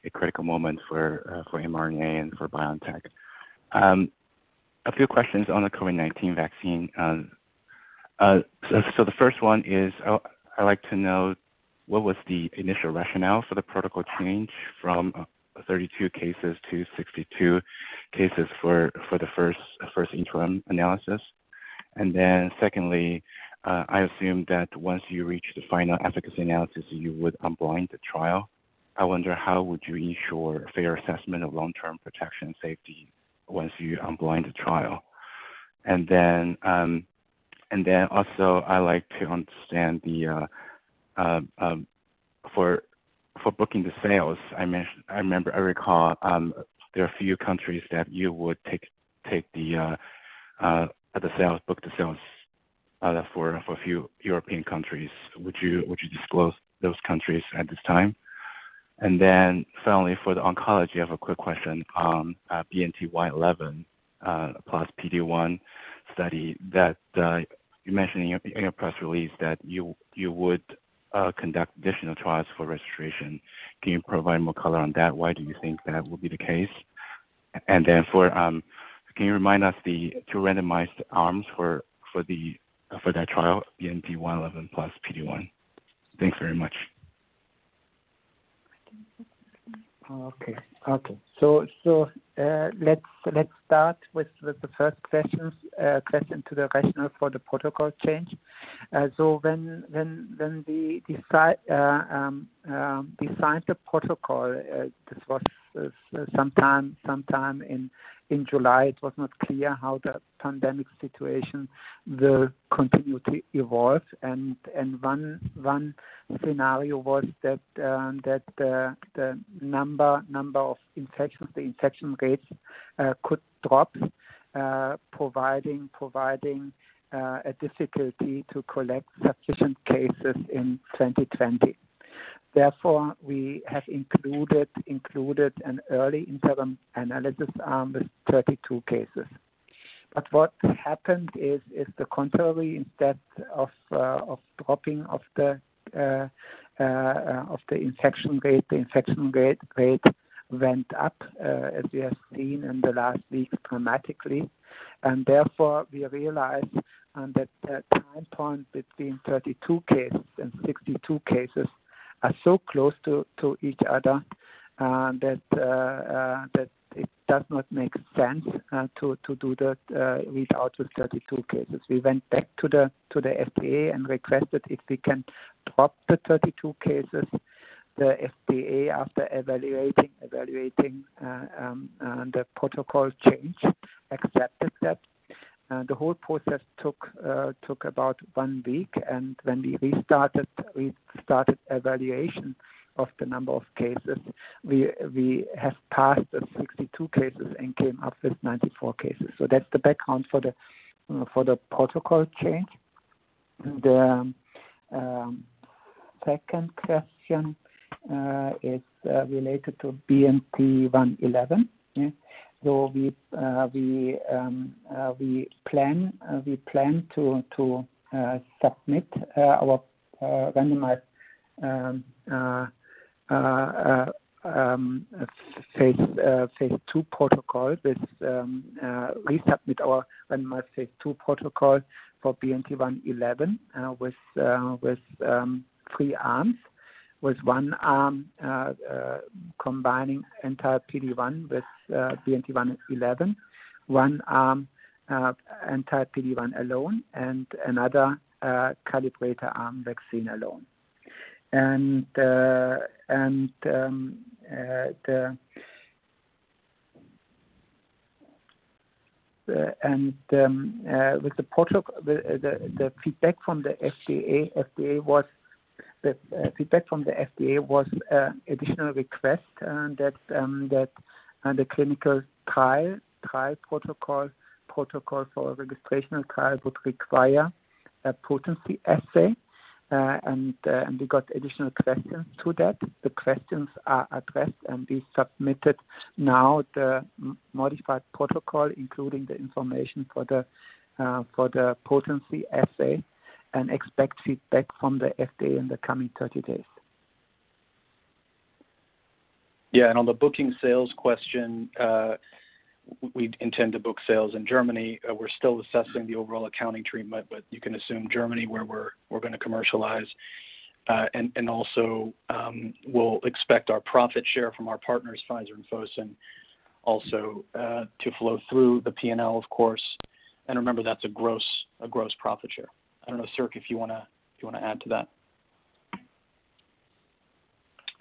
N: a critical moment for mRNA and for BioNTech. A few questions on the COVID-19 vaccine. The first one is, I would like to know what was the initial rationale for the protocol change from 32 cases-62 cases for the first interim analysis. Secondly, I assume that once you reach the final efficacy analysis, you would unblind the trial. I wonder how would you ensure fair assessment of long-term protection safety once you unblind the trial? Also, I like to understand for booking the sales, I recall there are a few countries that you would book the sales for a few European countries. Would you disclose those countries at this time? Finally, for the oncology, I have a quick question. BNT111 plus PD-1 study that you mentioned in your press release that you would conduct additional trials for registration. Can you provide more color on that? Why do you think that would be the case? Can you remind us the two randomized arms for that trial, BNT111 plus PD-1? Thanks very much.
B: Okay. Let's start with the first question to the rationale for the protocol change. When we designed the protocol, this was sometime in July, it was not clear how the pandemic situation will continue to evolve, and one scenario was that the number of infections, the infection rates, could drop, providing a difficulty to collect sufficient cases in 2020. Therefore, we have included an early interim analysis arm with 32 cases. What happened is, the contrary, instead of dropping the infection rate, the infection rate went up, as we have seen in the last week dramatically. Therefore, we realized that the time point between 32 cases and 62 cases are so close to each other, that it does not make sense to do that read out with 32 cases. We went back to the FDA and requested if we can drop the 32 cases. The FDA, after evaluating the protocol change, accepted that. The whole process took about one week, and when we restarted evaluation of the number of cases, we have passed the 62 cases and came up with 94 cases. That's the background for the protocol change. The second question is related to BNT111. Yes. We plan to resubmit our randomized phase II protocol for BNT111 with three arms, with one arm combining anti-PD-1 with BNT111, one arm anti-PD-1 alone, and another calibrator arm vaccine alone. With the protocol, the feedback from the FDA was an additional request that the clinical trial protocol for registration trial would require a potency assay. We got additional questions to that. The questions are addressed, and we submitted now the modified protocol, including the information for the potency assay, and expect feedback from the FDA in the coming 30 days.
L: On the booking sales question, we intend to book sales in Germany. We're still assessing the overall accounting treatment. You can assume Germany, where we're going to commercialize. Also, we'll expect our profit share from our partners, Pfizer and Fosun also to flow through the P&L, of course. Remember, that's a gross profit share. I don't know, Sierk, if you want to add to that.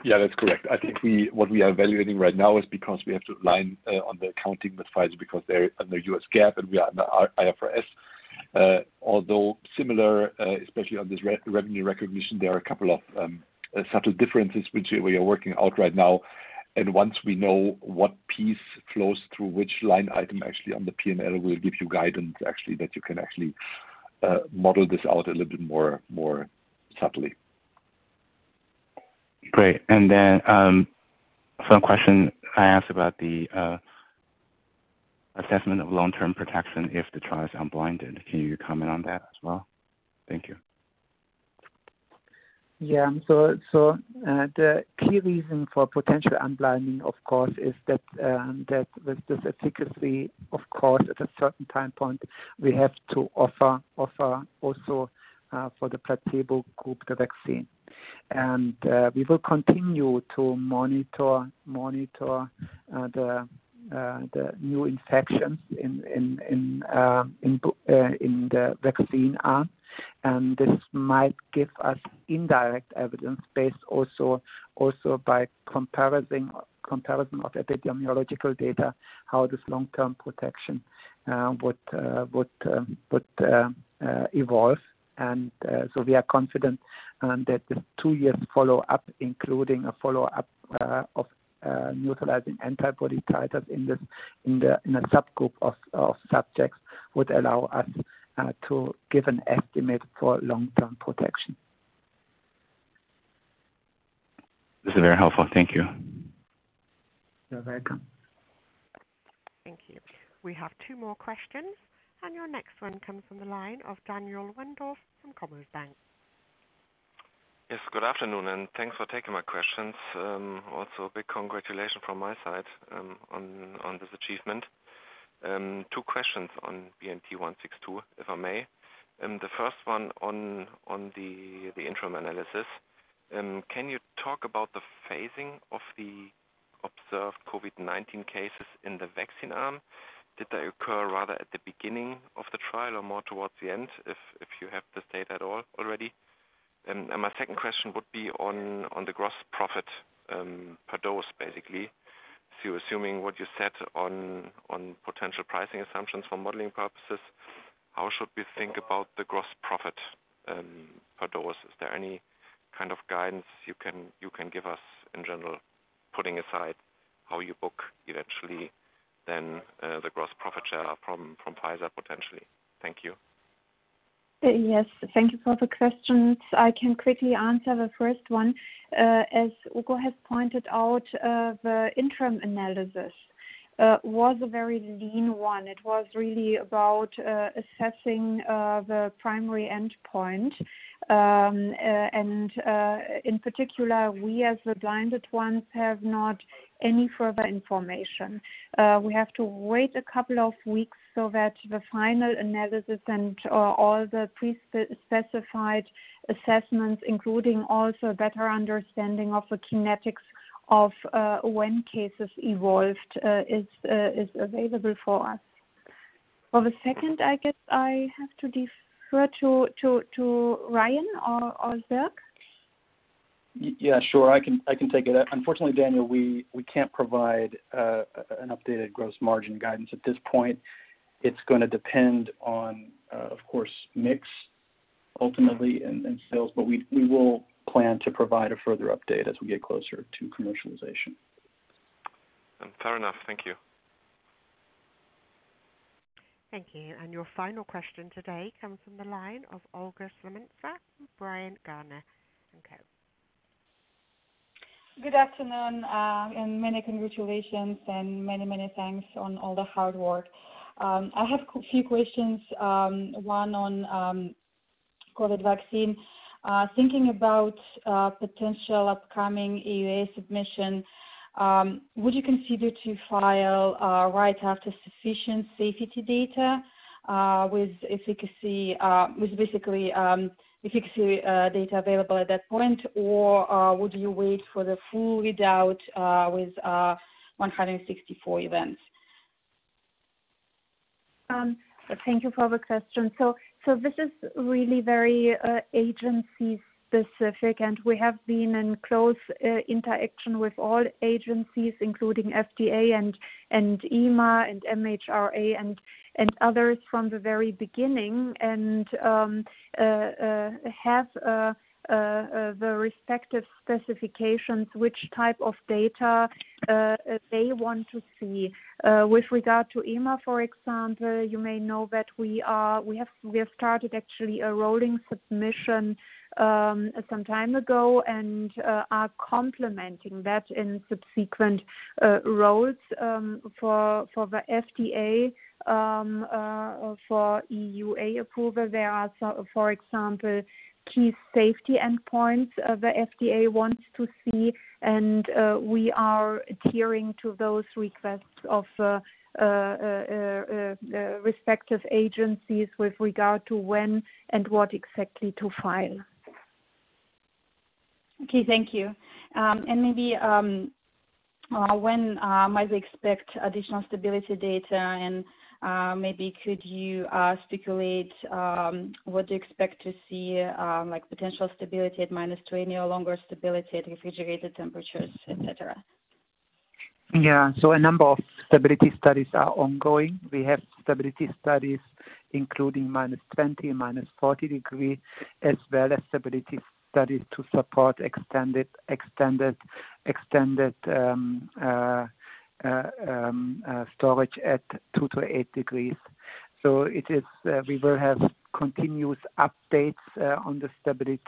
E: Yeah, that's correct. I think what we are evaluating right now is because we have to align on the accounting with Pfizer because they're under US GAAP and we are under IFRS. Although similar, especially on this revenue recognition, there are a couple of subtle differences which we are working out right now. Once we know what piece flows through which line item actually on the P&L, we'll give you guidance, actually, that you can actually model this out a little bit more subtly.
N: Great. For the question I asked about the assessment of long-term protection if the trial is unblinded, can you comment on that as well? Thank you.
B: Yeah. The key reason for potential unblinding, of course, is that with this efficacy, of course, at a certain time point, we have to offer also for the placebo group, the vaccine. We will continue to monitor the new infections in the vaccine arm. This might give us indirect evidence based also by comparison of epidemiological data, how this long-term protection would evolve. We are confident that the two-year follow-up, including a follow-up of neutralizing antibody titers in a subgroup of subjects, would allow us to give an estimate for long-term protection.
N: This is very helpful. Thank you.
B: You're welcome.
F: Thank you. We have two more questions, and your next one comes from the line of Daniel Wendorff from Commerzbank.
O: Good afternoon, thanks for taking my questions. Also, a big congratulations from my side on this achievement. Two questions on BNT162, if I may. The first one on the interim analysis. Can you talk about the phasing of the observed COVID-19 cases in the vaccine arm? Did they occur rather at the beginning of the trial or more towards the end, if you have this data at all already? My second question would be on the gross profit per dose, basically. Assuming what you said on potential pricing assumptions for modeling purposes, how should we think about the gross profit per dose? Is there any kind of guidance you can give us in general, putting aside how you book it actually, then the gross profit share from Pfizer, potentially? Thank you.
D: Yes. Thank you for the questions. I can quickly answer the first one. As Ugur has pointed out, the interim analysis was a very lean one. It was really about assessing the primary endpoint. In particular, we as the blinded ones have not any further information. We have to wait a couple of weeks so that the final analysis and all the pre-specified assessments, including also a better understanding of the kinetics of when cases evolved, is available for us. For the second, I guess I have to defer to Ryan or Sierk.
L: Yeah, sure. I can take it. Unfortunately, Daniel, we can't provide an updated gross margin guidance at this point. It's going to depend on, of course, mix ultimately and sales. We will plan to provide a further update as we get closer to commercialization.
O: Fair enough. Thank you.
F: Thank you. Your final question today comes from the line of Olga Smolentseva from Bryan, Garnier & Co.
P: Good afternoon, and many congratulations and many thanks on all the hard work. I have a few questions, one on COVID vaccine. Thinking about potential upcoming EUA submission, would you consider to file right after sufficient safety data, with basically efficacy data available at that point? Or would you wait for the full readout, with 164 events?
D: Thank you for the question. This is really very agency-specific, and we have been in close interaction with all agencies, including FDA and EMA and MHRA and others from the very beginning, and have the respective specifications which type of data they want to see. With regard to EMA, for example, you may know that we have started actually a rolling submission some time ago and are complementing that in subsequent roles. For the FDA, for EUA approval, there are, for example, key safety endpoints the FDA wants to see, and we are adhering to those requests of respective agencies with regard to when and what exactly to file.
P: Okay, thank you. When might we expect additional stability data? Could you speculate what you expect to see, like potential stability at -20 or longer stability at refrigerated temperatures, et cetera?
B: A number of stability studies are ongoing. We have stability studies including -20, -40 degrees, as well as stability studies to support extended storage at 2-8 degrees. We will have continuous updates on the stability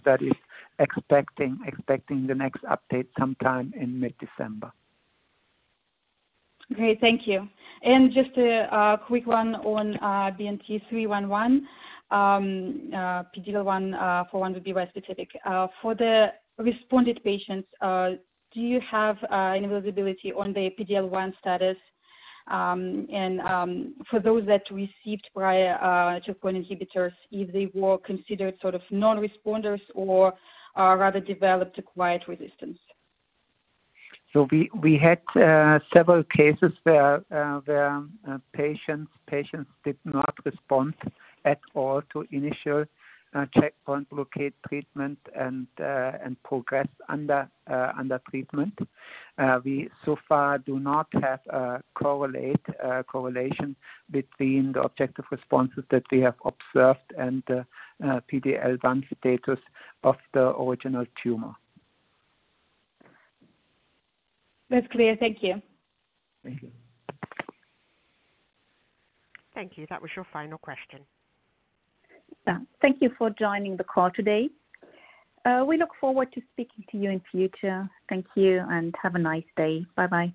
B: studies, expecting the next update sometime in mid-December.
P: Great. Thank you. Just a quick one on BNT311, PD-L1 4-1BB bispecific. For the responded patients, do you have any visibility on the PD-L1 status? For those that received prior checkpoint inhibitors, if they were considered sort of non-responders or rather developed acquired resistance?
B: We had several cases where patients did not respond at all to initial checkpoint blockade treatment and progressed under treatment. We so far do not have a correlation between the objective responses that we have observed and the PD-L1 status of the original tumor.
P: That's clear. Thank you.
B: Thank you.
F: Thank you. That was your final question.
D: Yeah. Thank you for joining the call today. We look forward to speaking to you in future. Thank you, and have a nice day. Bye-bye.